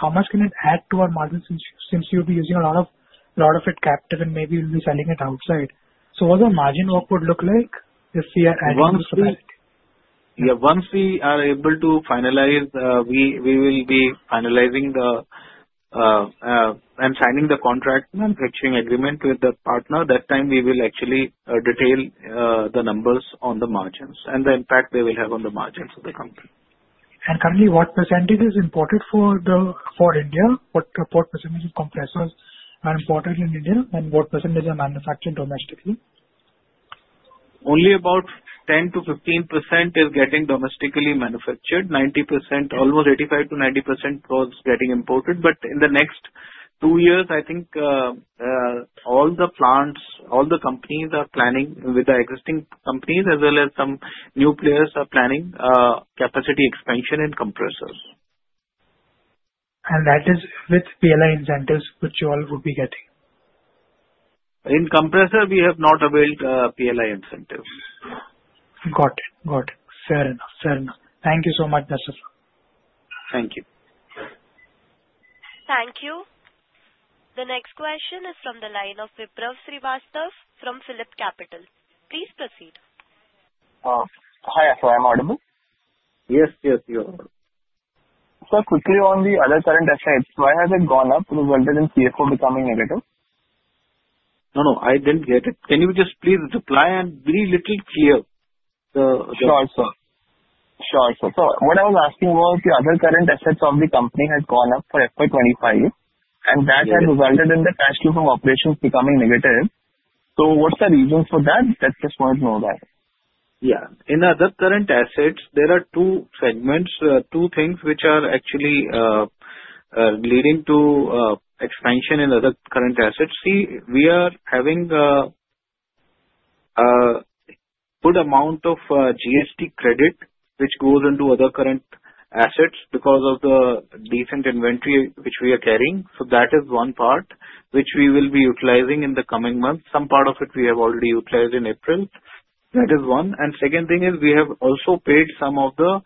how much can it add to our margins since you'll be using a lot of it captive and maybe you'll be selling it outside? So what would the margins work look like if we are adding this capacity? Yeah. Once we are able to finalize, we will be finalizing and signing the contract and reaching agreement with the partner. That time, we will actually detail the numbers on the margins and the impact they will have on the margins of the company. Currently, what % is imported for India? What % of compressors are imported in India, and what % are manufactured domestically? Only about 10%-15% is getting domestically manufactured. 90%, almost 85%-90% was getting imported. But in the next two years, I think all the plants, all the companies are planning with the existing companies as well as some new players are planning capacity expansion in compressors. That is with PLI incentives which you all would be getting? In compressor, we have not availed PLI incentives. Got it. Got it. Fair enough. Fair enough. Thank you so much, sir. Thank you. Thank you. The next question is from the line of Vipraw Srivastava from PhillipCapital. Please proceed. Hi. So I'm audible? Yes, yes. You're audible. Sir, quickly on the other current assets, why has it gone up resulting in CFO becoming negative? No, no. I didn't get it. Can you just please reply and be a little clear? Sure, sir. Sure, sir. So what I was asking was the other current assets of the company had gone up for FY25, and that had resulted in the cash flow from operations becoming negative. So what's the reason for that? That's just wanted to know that. Yeah. In other current assets, there are two segments, two things which are actually leading to expansion in other current assets. See, we are having a good amount of GST credit which goes into other current assets because of the decent inventory which we are carrying. So that is one part which we will be utilizing in the coming months. Some part of it we have already utilized in April. That is one. And second thing is we have also paid some of the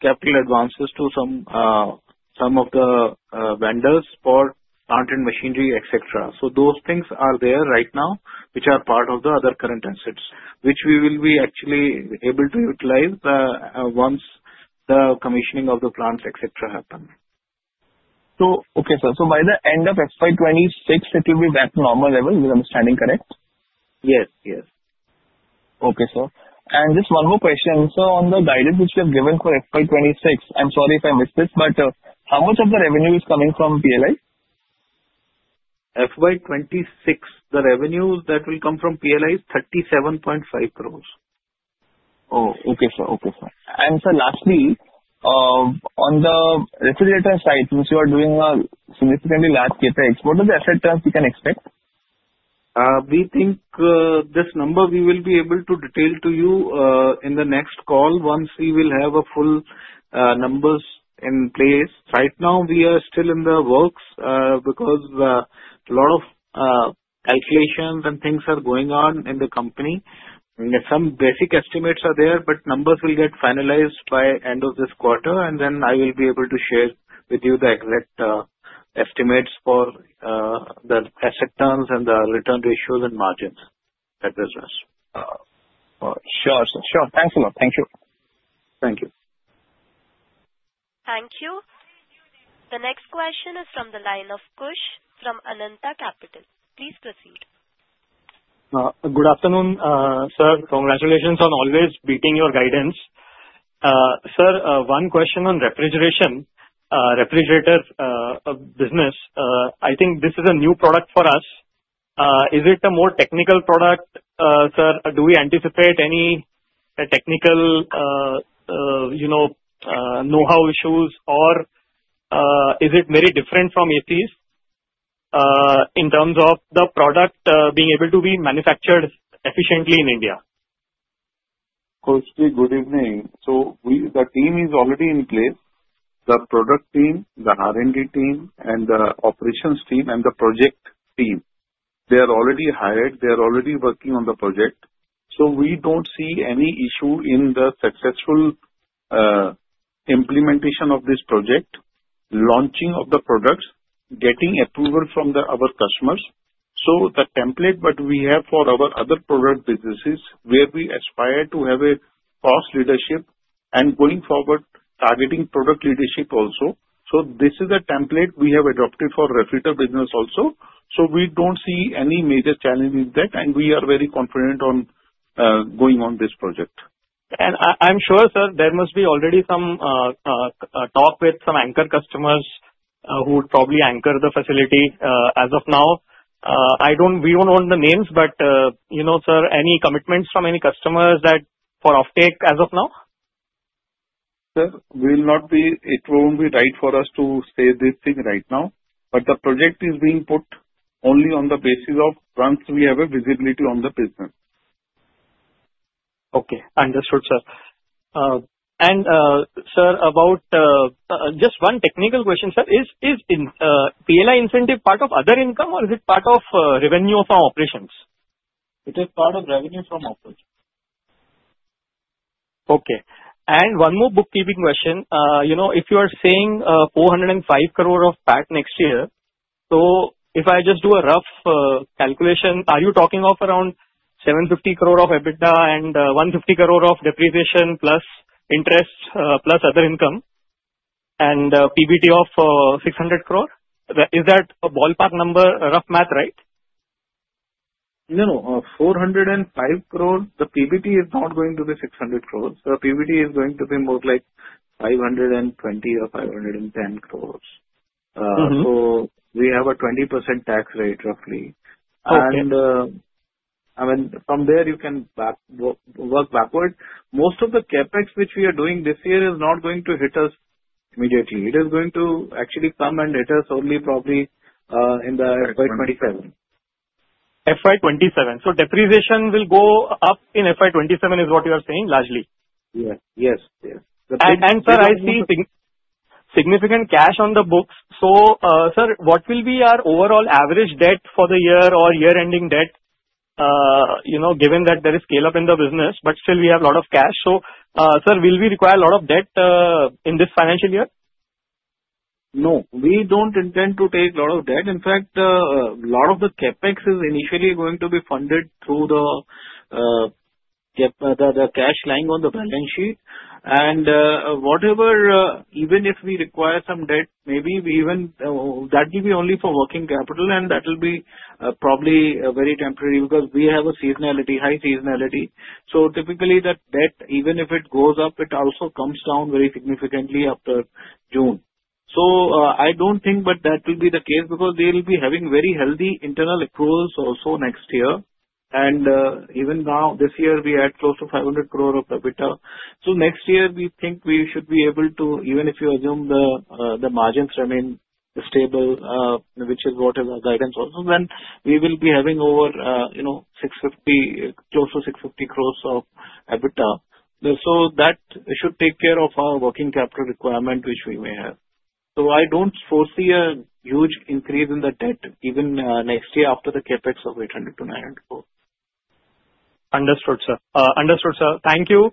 capital advances to some of the vendors for plant and machinery, etc. So those things are there right now which are part of the other current assets which we will be actually able to utilize once the commissioning of the plants, etc., happen. So okay, sir. So by the end of FY26, it will be back to normal level. You're understanding correct? Yes, yes. Okay, sir, and just one more question. Sir, on the guidance which you have given for FY26, I'm sorry if I missed this, but how much of the revenue is coming from PLI? FY26, the revenue that will come from PLI is 375 million. Okay, sir. And sir, lastly, on the refrigerator side, since you are doing a significantly large CapEx, what are the asset turns we can expect? We think this number we will be able to detail to you in the next call once we will have a full numbers in place. Right now, we are still in the works because a lot of calculations and things are going on in the company. Some basic estimates are there, but numbers will get finalized by end of this quarter, and then I will be able to share with you the exact estimates for the asset turns and the return ratios and margins at this stage. Sure, sir. Sure. Thanks a lot. Thank you. Thank you. Thank you. The next question is from the line of Kush from Ananta Capital. Please proceed. Good afternoon, sir. Congratulations on always beating your guidance. Sir, one question on refrigerator business. I think this is a new product for us. Is it a more technical product, sir? Do we anticipate any technical know-how issues, or is it very different from ACs in terms of the product being able to be manufactured efficiently in India? Kush, good evening. So the team is already in place. The product team, the R&D team, and the operations team, and the project team, they are already hired. They are already working on the project. So we don't see any issue in the successful implementation of this project, launching of the products, getting approval from our customers. So the template that we have for our other product businesses where we aspire to have a cost leadership and going forward targeting product leadership also. So this is a template we have adopted for refrigerator business also. So we don't see any major challenge in that, and we are very confident on going on this project. I'm sure, sir, there must be already some talk with some anchor customers who would probably anchor the facility as of now. We don't want the names, but sir, any commitments from any customers for offtake as of now? Sir, it won't be right for us to say this thing right now, but the project is being put only on the basis of once we have a visibility on the business. Okay. Understood, sir. And sir, just one technical question, sir. Is PLI incentive part of other income, or is it part of revenue from operations? It is part of revenue from operations. Okay. And one more bookkeeping question. If you are saying 405 crore of PAT next year, so if I just do a rough calculation, are you talking of around 750 crore of EBITDA and 150 crore of depreciation plus interest plus other income and PBT of 600 crore? Is that a ballpark number, rough math, right? No, no. ₹405 crore, the PBT is not going to be ₹600 crores. The PBT is going to be more like ₹520 or ₹510 crores. So we have a 20% tax rate, roughly. And I mean, from there, you can work backward. Most of the CapEx which we are doing this year is not going to hit us immediately. It is going to actually come and hit us only probably in the FY 2027. FY27. So depreciation will go up in FY27, is what you are saying, largely? Yes, yes, yes. Sir, I see significant cash on the books. Sir, what will be our overall average debt for the year or year-ending debt, given that there is scale-up in the business, but still we have a lot of cash? Sir, will we require a lot of debt in this financial year? No. We don't intend to take a lot of debt. In fact, a lot of the CapEx is initially going to be funded through the cash lying on the balance sheet. And even if we require some debt, maybe that will be only for working capital, and that will be probably very temporary because we have a high seasonality. So typically, that debt, even if it goes up, it also comes down very significantly after June. So I don't think that that will be the case because they will be having very healthy internal accruals also next year. And even now, this year, we had close to 500 crore of EBITDA. So next year, we think we should be able to, even if you assume the margins remain stable, which is what is our guidance also, then we will be having over close to 650 crores of EBITDA. So that should take care of our working capital requirement which we may have. So I don't foresee a huge increase in the debt even next year after the CapEx of ₹800-₹900 crore. Understood, sir. Understood, sir. Thank you.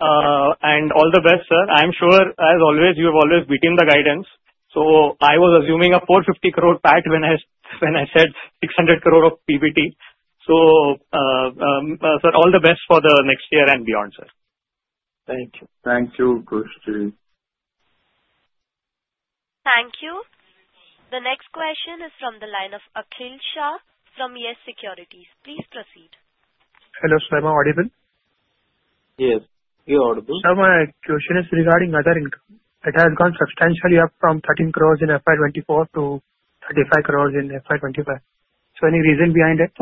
And all the best, sir. I'm sure, as always, you have always beaten the guidance. So I was assuming a ₹450 crore PAT when I said ₹600 crore of PBT. So sir, all the best for the next year and beyond, sir. Thank you. Thank you, Kushji. Thank you. The next question is from the line of Akhil Shah from YES Securities. Please proceed. Hello, sir. Am I audible? Yes. You're audible. Sir, my question is regarding other income. It has gone substantially up from 13 crores in FY24 to 35 crores in FY25. So any reason behind it?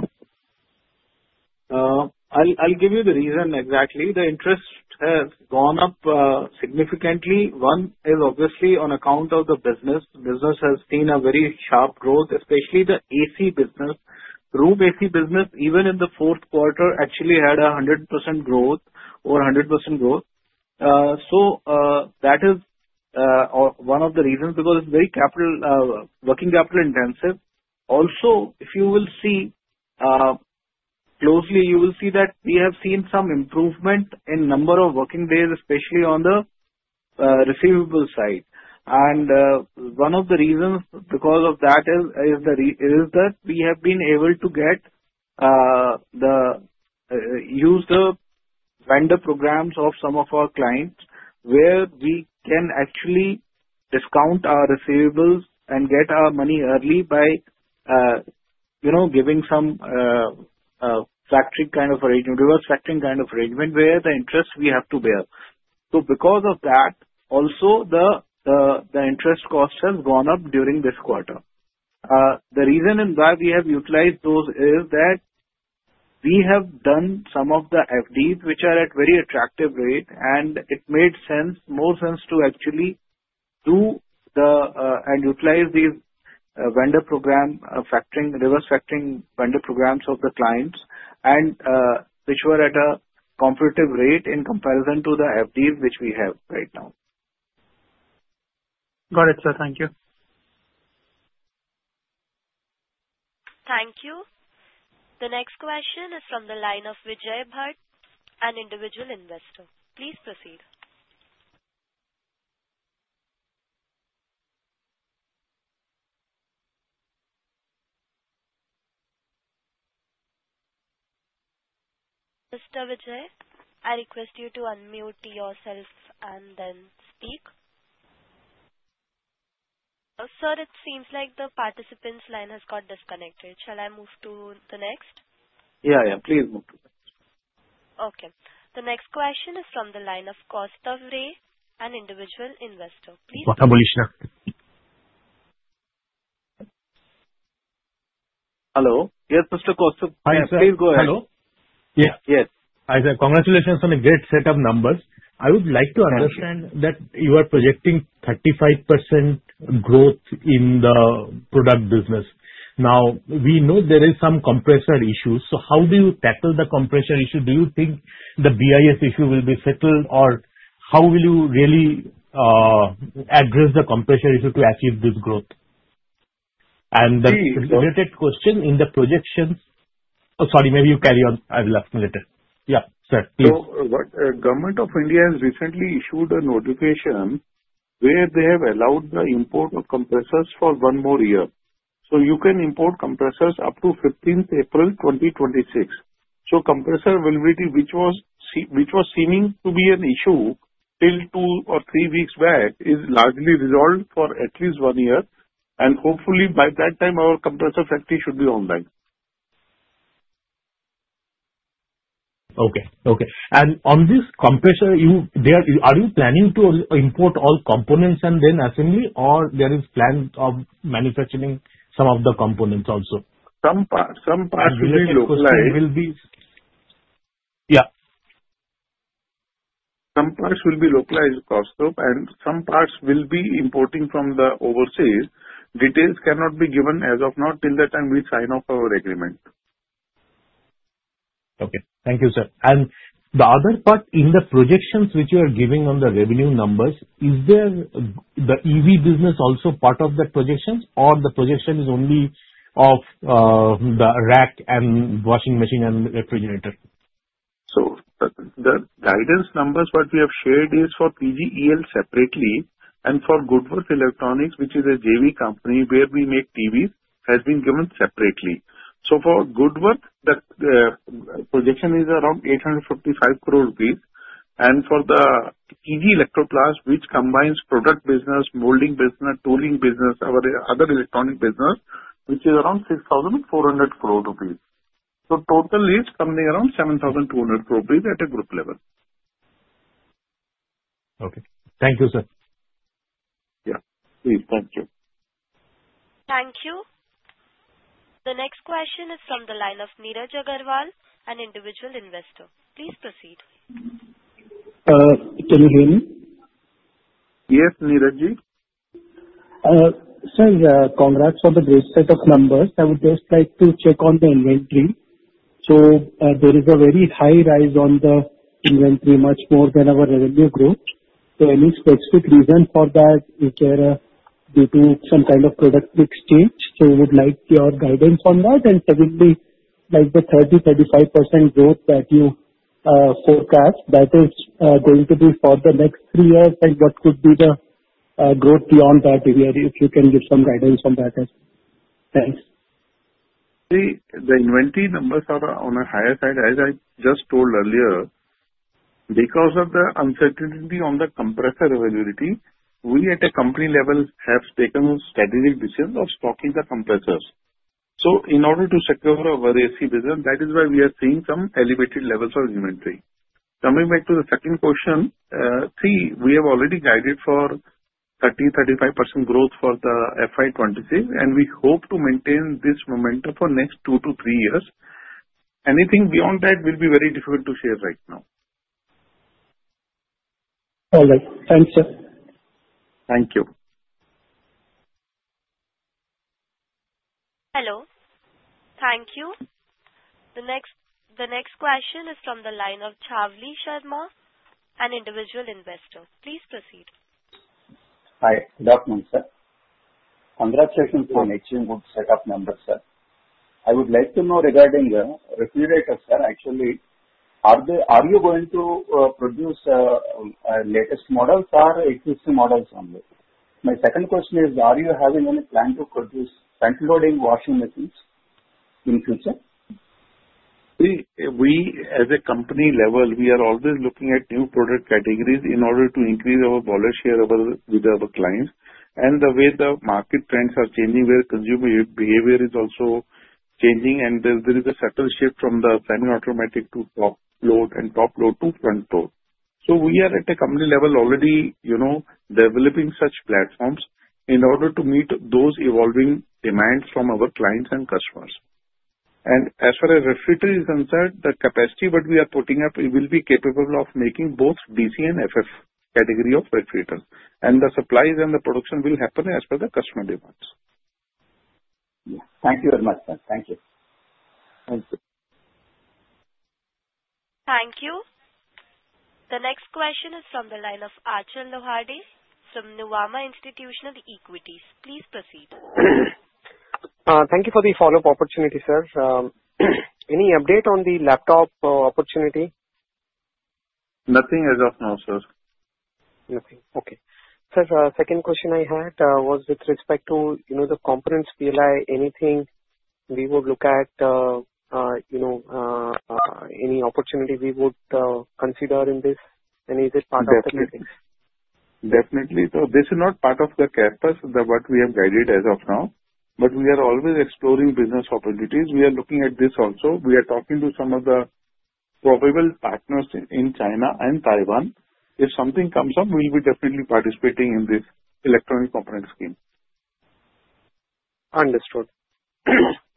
I'll give you the reason exactly. The interest has gone up significantly. One is obviously on account of the business. Business has seen a very sharp growth, especially the AC business. Room AC business, even in the fourth quarter, actually had a 100% growth or 100% growth. So that is one of the reasons because it's very working capital intensive. Also, if you will see closely, you will see that we have seen some improvement in number of working days, especially on the receivable side. And one of the reasons because of that is that we have been able to use the vendor programs of some of our clients where we can actually discount our receivables and get our money early by giving some factoring kind of arrangement, reverse factoring kind of arrangement where the interest we have to bear. So because of that, also, the interest cost has gone up during this quarter. The reason why we have utilized those is that we have done some of the FDs which are at very attractive rate, and it made more sense to actually do and utilize these vendor program, reverse factoring vendor programs of the clients which were at a competitive rate in comparison to the FDs which we have right now. Got it, sir. Thank you. Thank you. The next question is from the line of Vijay Bhatt, an individual investor. Please proceed. Mr. Vijay, I request you to unmute yourself and then speak. Sir, it seems like the participant's line has got disconnected. Shall I move to the next? Yeah, yeah. Please move to the next. Okay. The next question is from the line of Koustav Ray, an individual investor. Please. Hello. Yes, Mr. Koustav. Please go ahead. Hello. Yes. Yes. Hi sir. Congratulations on a great set of numbers. I would like to understand that you are projecting 35% growth in the product business. Now, we know there is some compressor issues. So how do you tackle the compressor issue? Do you think the BIS issue will be settled, or how will you really address the compressor issue to achieve this growth? And the related question in the projections, oh, sorry, maybe you carry on. I've left me a little bit. Yeah, sir. Please. The Government of India has recently issued a notification where they have allowed the import of compressors for one more year. You can import compressors up to 15th April 2026. Compressor availability, which was seeming to be an issue till two or three weeks back, is largely resolved for at least one year. Hopefully, by that time, our compressor factory should be online. Okay, okay. And on this compressor, are you planning to import all components and then assembly, or there is plan of manufacturing some of the components also? Some parts will be localized. Yeah. Some parts will be localized, Koustav, and some parts will be importing from overseas. Details cannot be given as of now till the time we sign off our agreement. Okay. Thank you, sir. And the other part in the projections which you are giving on the revenue numbers, is there the EV business also part of the projections, or the projection is only of the RAC and washing machine and refrigerator? The guidance numbers that we have shared is for PGEL separately, and for Goodworth Electronics, which is a JV company where we make TVs, has been given separately. For Goodworth, the projection is around 855 crore rupees. And for the PG Electroplast, which combines product business, molding business, tooling business, our other electronic business, which is around 6,400 crore rupees. Total is coming around 7,200 crore rupees at a group level. Okay. Thank you, sir. Yeah. Please. Thank you. Thank you. The next question is from the line of Neeraj Agarwal, an individual investor. Please proceed. Can you hear me? Yes, Neerajji. Sir, congrats for the great set of numbers. I would just like to check on the inventory. So there is a very high rise on the inventory, much more than our revenue growth. So any specific reason for that? Is there due to some kind of product exchange? So we would like your guidance on that. And secondly, the 30%-35% growth that you forecast, that is going to be for the next three years, and what could be the growth beyond that, if you can give some guidance on that as well. Thanks. See, the inventory numbers are on a higher side, as I just told earlier. Because of the uncertainty on the compressor availability, we at a company level have taken a strategic decision of stocking the compressors. So in order to secure our AC business, that is why we are seeing some elevated levels of inventory. Coming back to the second question, see, we have already guided for 30%-35% growth for the FY26, and we hope to maintain this momentum for the next two to three years. Anything beyond that will be very difficult to share right now. All right. Thanks, sir. Thank you. Hello. Thank you. The next question is from the line of Chavali Sharma, an individual investor. Please proceed. Hi. Good afternoon, sir. Congratulations on achieving good set of numbers, sir. I would like to know regarding refrigerators, sir. Actually, are you going to produce latest models or existing models only? My second question is, are you having any plan to produce front-loading washing machines in the future? See, as a company level, we are always looking at new product categories in order to increase our dollar share with our clients, and the way the market trends are changing, where consumer behavior is also changing, and there is a subtle shift from the semi-automatic to top load and top load to front load, so we are at a company level already developing such platforms in order to meet those evolving demands from our clients and customers, and as far as refrigerators are concerned, the capacity that we are putting up, we will be capable of making both DC and FF category of refrigerators, and the supplies and the production will happen as per the customer demands. Yes. Thank you very much, sir. Thank you. Thank you. Thank you. The next question is from the line of Achal Lohade from Nuvama Institutional Equities. Please proceed. Thank you for the follow-up opportunity, sir. Any update on the laptop opportunity? Nothing as of now, sir. Nothing. Okay. Sir, the second question I had was with respect to the components PLI. Anything we would look at, any opportunity we would consider in this? And is it part of the PLI? Definitely. So this is not part of the CapEx that we have guided as of now, but we are always exploring business opportunities. We are looking at this also. We are talking to some of the probable partners in China and Taiwan. If something comes up, we'll be definitely participating in this electronic component scheme. Understood,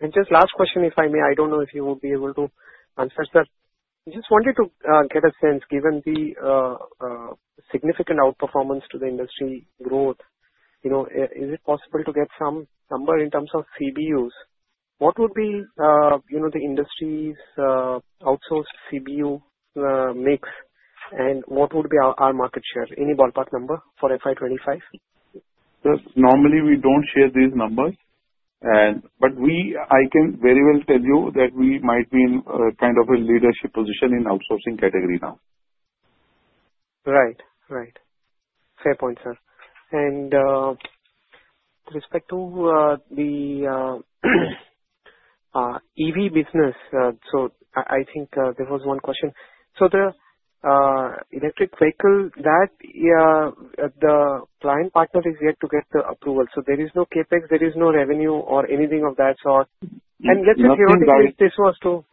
and just last question, if I may. I don't know if you will be able to answer, sir. I just wanted to get a sense, given the significant outperformance to the industry growth, is it possible to get some number in terms of CBUs? What would be the industry's outsourced CBU mix, and what would be our market share? Any ballpark number for FY25? Normally, we don't share these numbers, but I can very well tell you that we might be in kind of a leadership position in outsourcing category now. Right, right. Fair point, sir. And with respect to the EV business, so I think there was one question. So the electric vehicle, the client partner is yet to get the approval. So there is no CapEx, there is no revenue, or anything of that sort. And let's just say this was to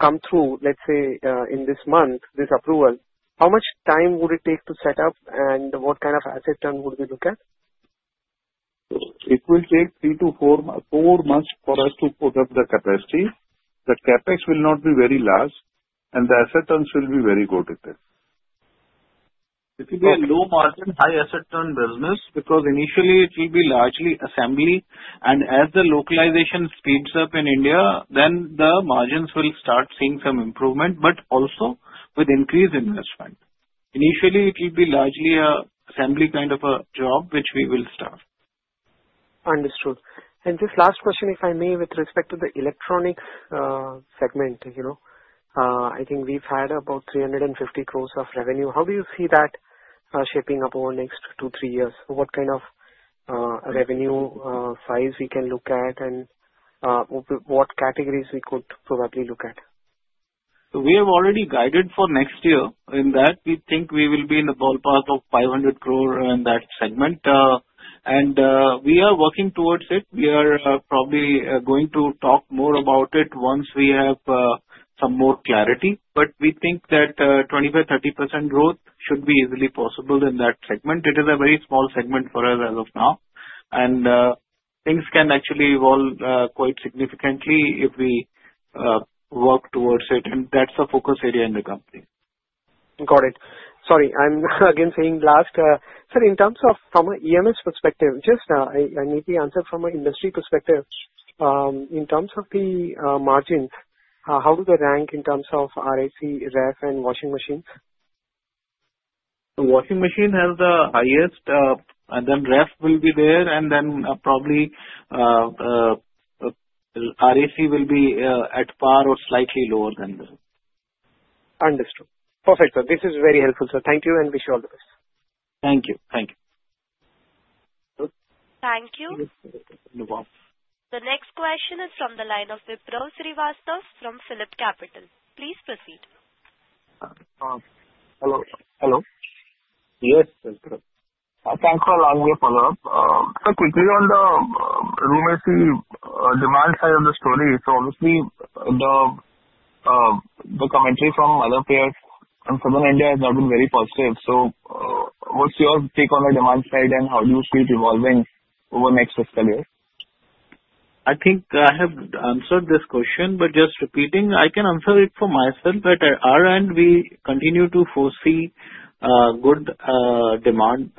come through, let's say, in this month, this approval, how much time would it take to set up, and what kind of asset turn would we look at? It will take three to four months for us to put up the capacity. The CapEx will not be very large, and the asset turns will be very good. It will be a low-margin, high-asset-turn business because initially, it will be largely assembly, and as the localization speeds up in India, then the margins will start seeing some improvement, but also with increased investment. Initially, it will be largely an assembly kind of a job, which we will start. Understood, and just last question, if I may, with respect to the electronics segment, I think we've had about ₹350 crores of revenue. How do you see that shaping up over the next two, three years? What kind of revenue size we can look at, and what categories we could probably look at? We have already guided for next year in that we think we will be in the ballpark of ₹500 crore in that segment, and we are working towards it. We are probably going to talk more about it once we have some more clarity, but we think that 25%-30% growth should be easily possible in that segment. It is a very small segment for us as of now, and things can actually evolve quite significantly if we work towards it. And that's the focus area in the company. Got it. Sorry. I'm again saying last. Sir, in terms of from an EMS perspective, just I need the answer from an industry perspective. In terms of the margins, how do they rank in terms of RAC, ref, and washing machines? The washing machine has the highest, and then ref will be there, and then probably RAC will be at par or slightly lower than that. Understood. Perfect, sir. This is very helpful, sir. Thank you, and wish you all the best. Thank you. Thank you. Thank you. The next question is from the line of Vipraw Srivastava from PhillipCapital. Please proceed. Hello. Hello. Yes, sir. Thanks for the long-awaited follow-up. Quickly on the room AC demand side of the story. So obviously, the commentary from other players in South India has been very positive. So what's your take on the demand side, and how do you see it evolving over the next fiscal year? I think I have answered this question, but just repeating, I can answer it for myself. At our end, we continue to foresee a good demand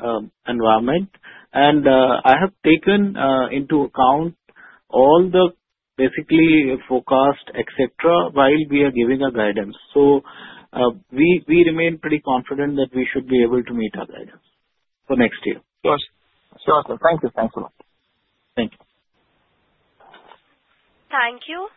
environment, and I have taken into account all the basic forecasts, etc., while we are giving a guidance. So we remain pretty confident that we should be able to meet our guidance for next year. Awesome. Thank you. Thanks a lot. Thank you. Thank you.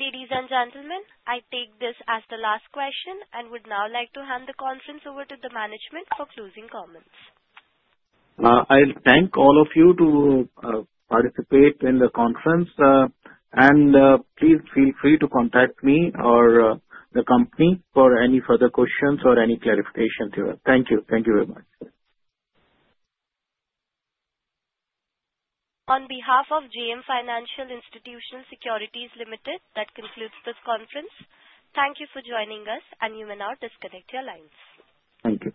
Ladies and gentlemen, I take this as the last question and would now like to hand the conference over to the management for closing comments. I'll thank all of you to participate in the conference, and please feel free to contact me or the company for any further questions or any clarifications. Thank you. Thank you very much. On behalf of JM Financial Institutional Securities Limited, that concludes this conference. Thank you for joining us, and you may now disconnect your lines. Thank you.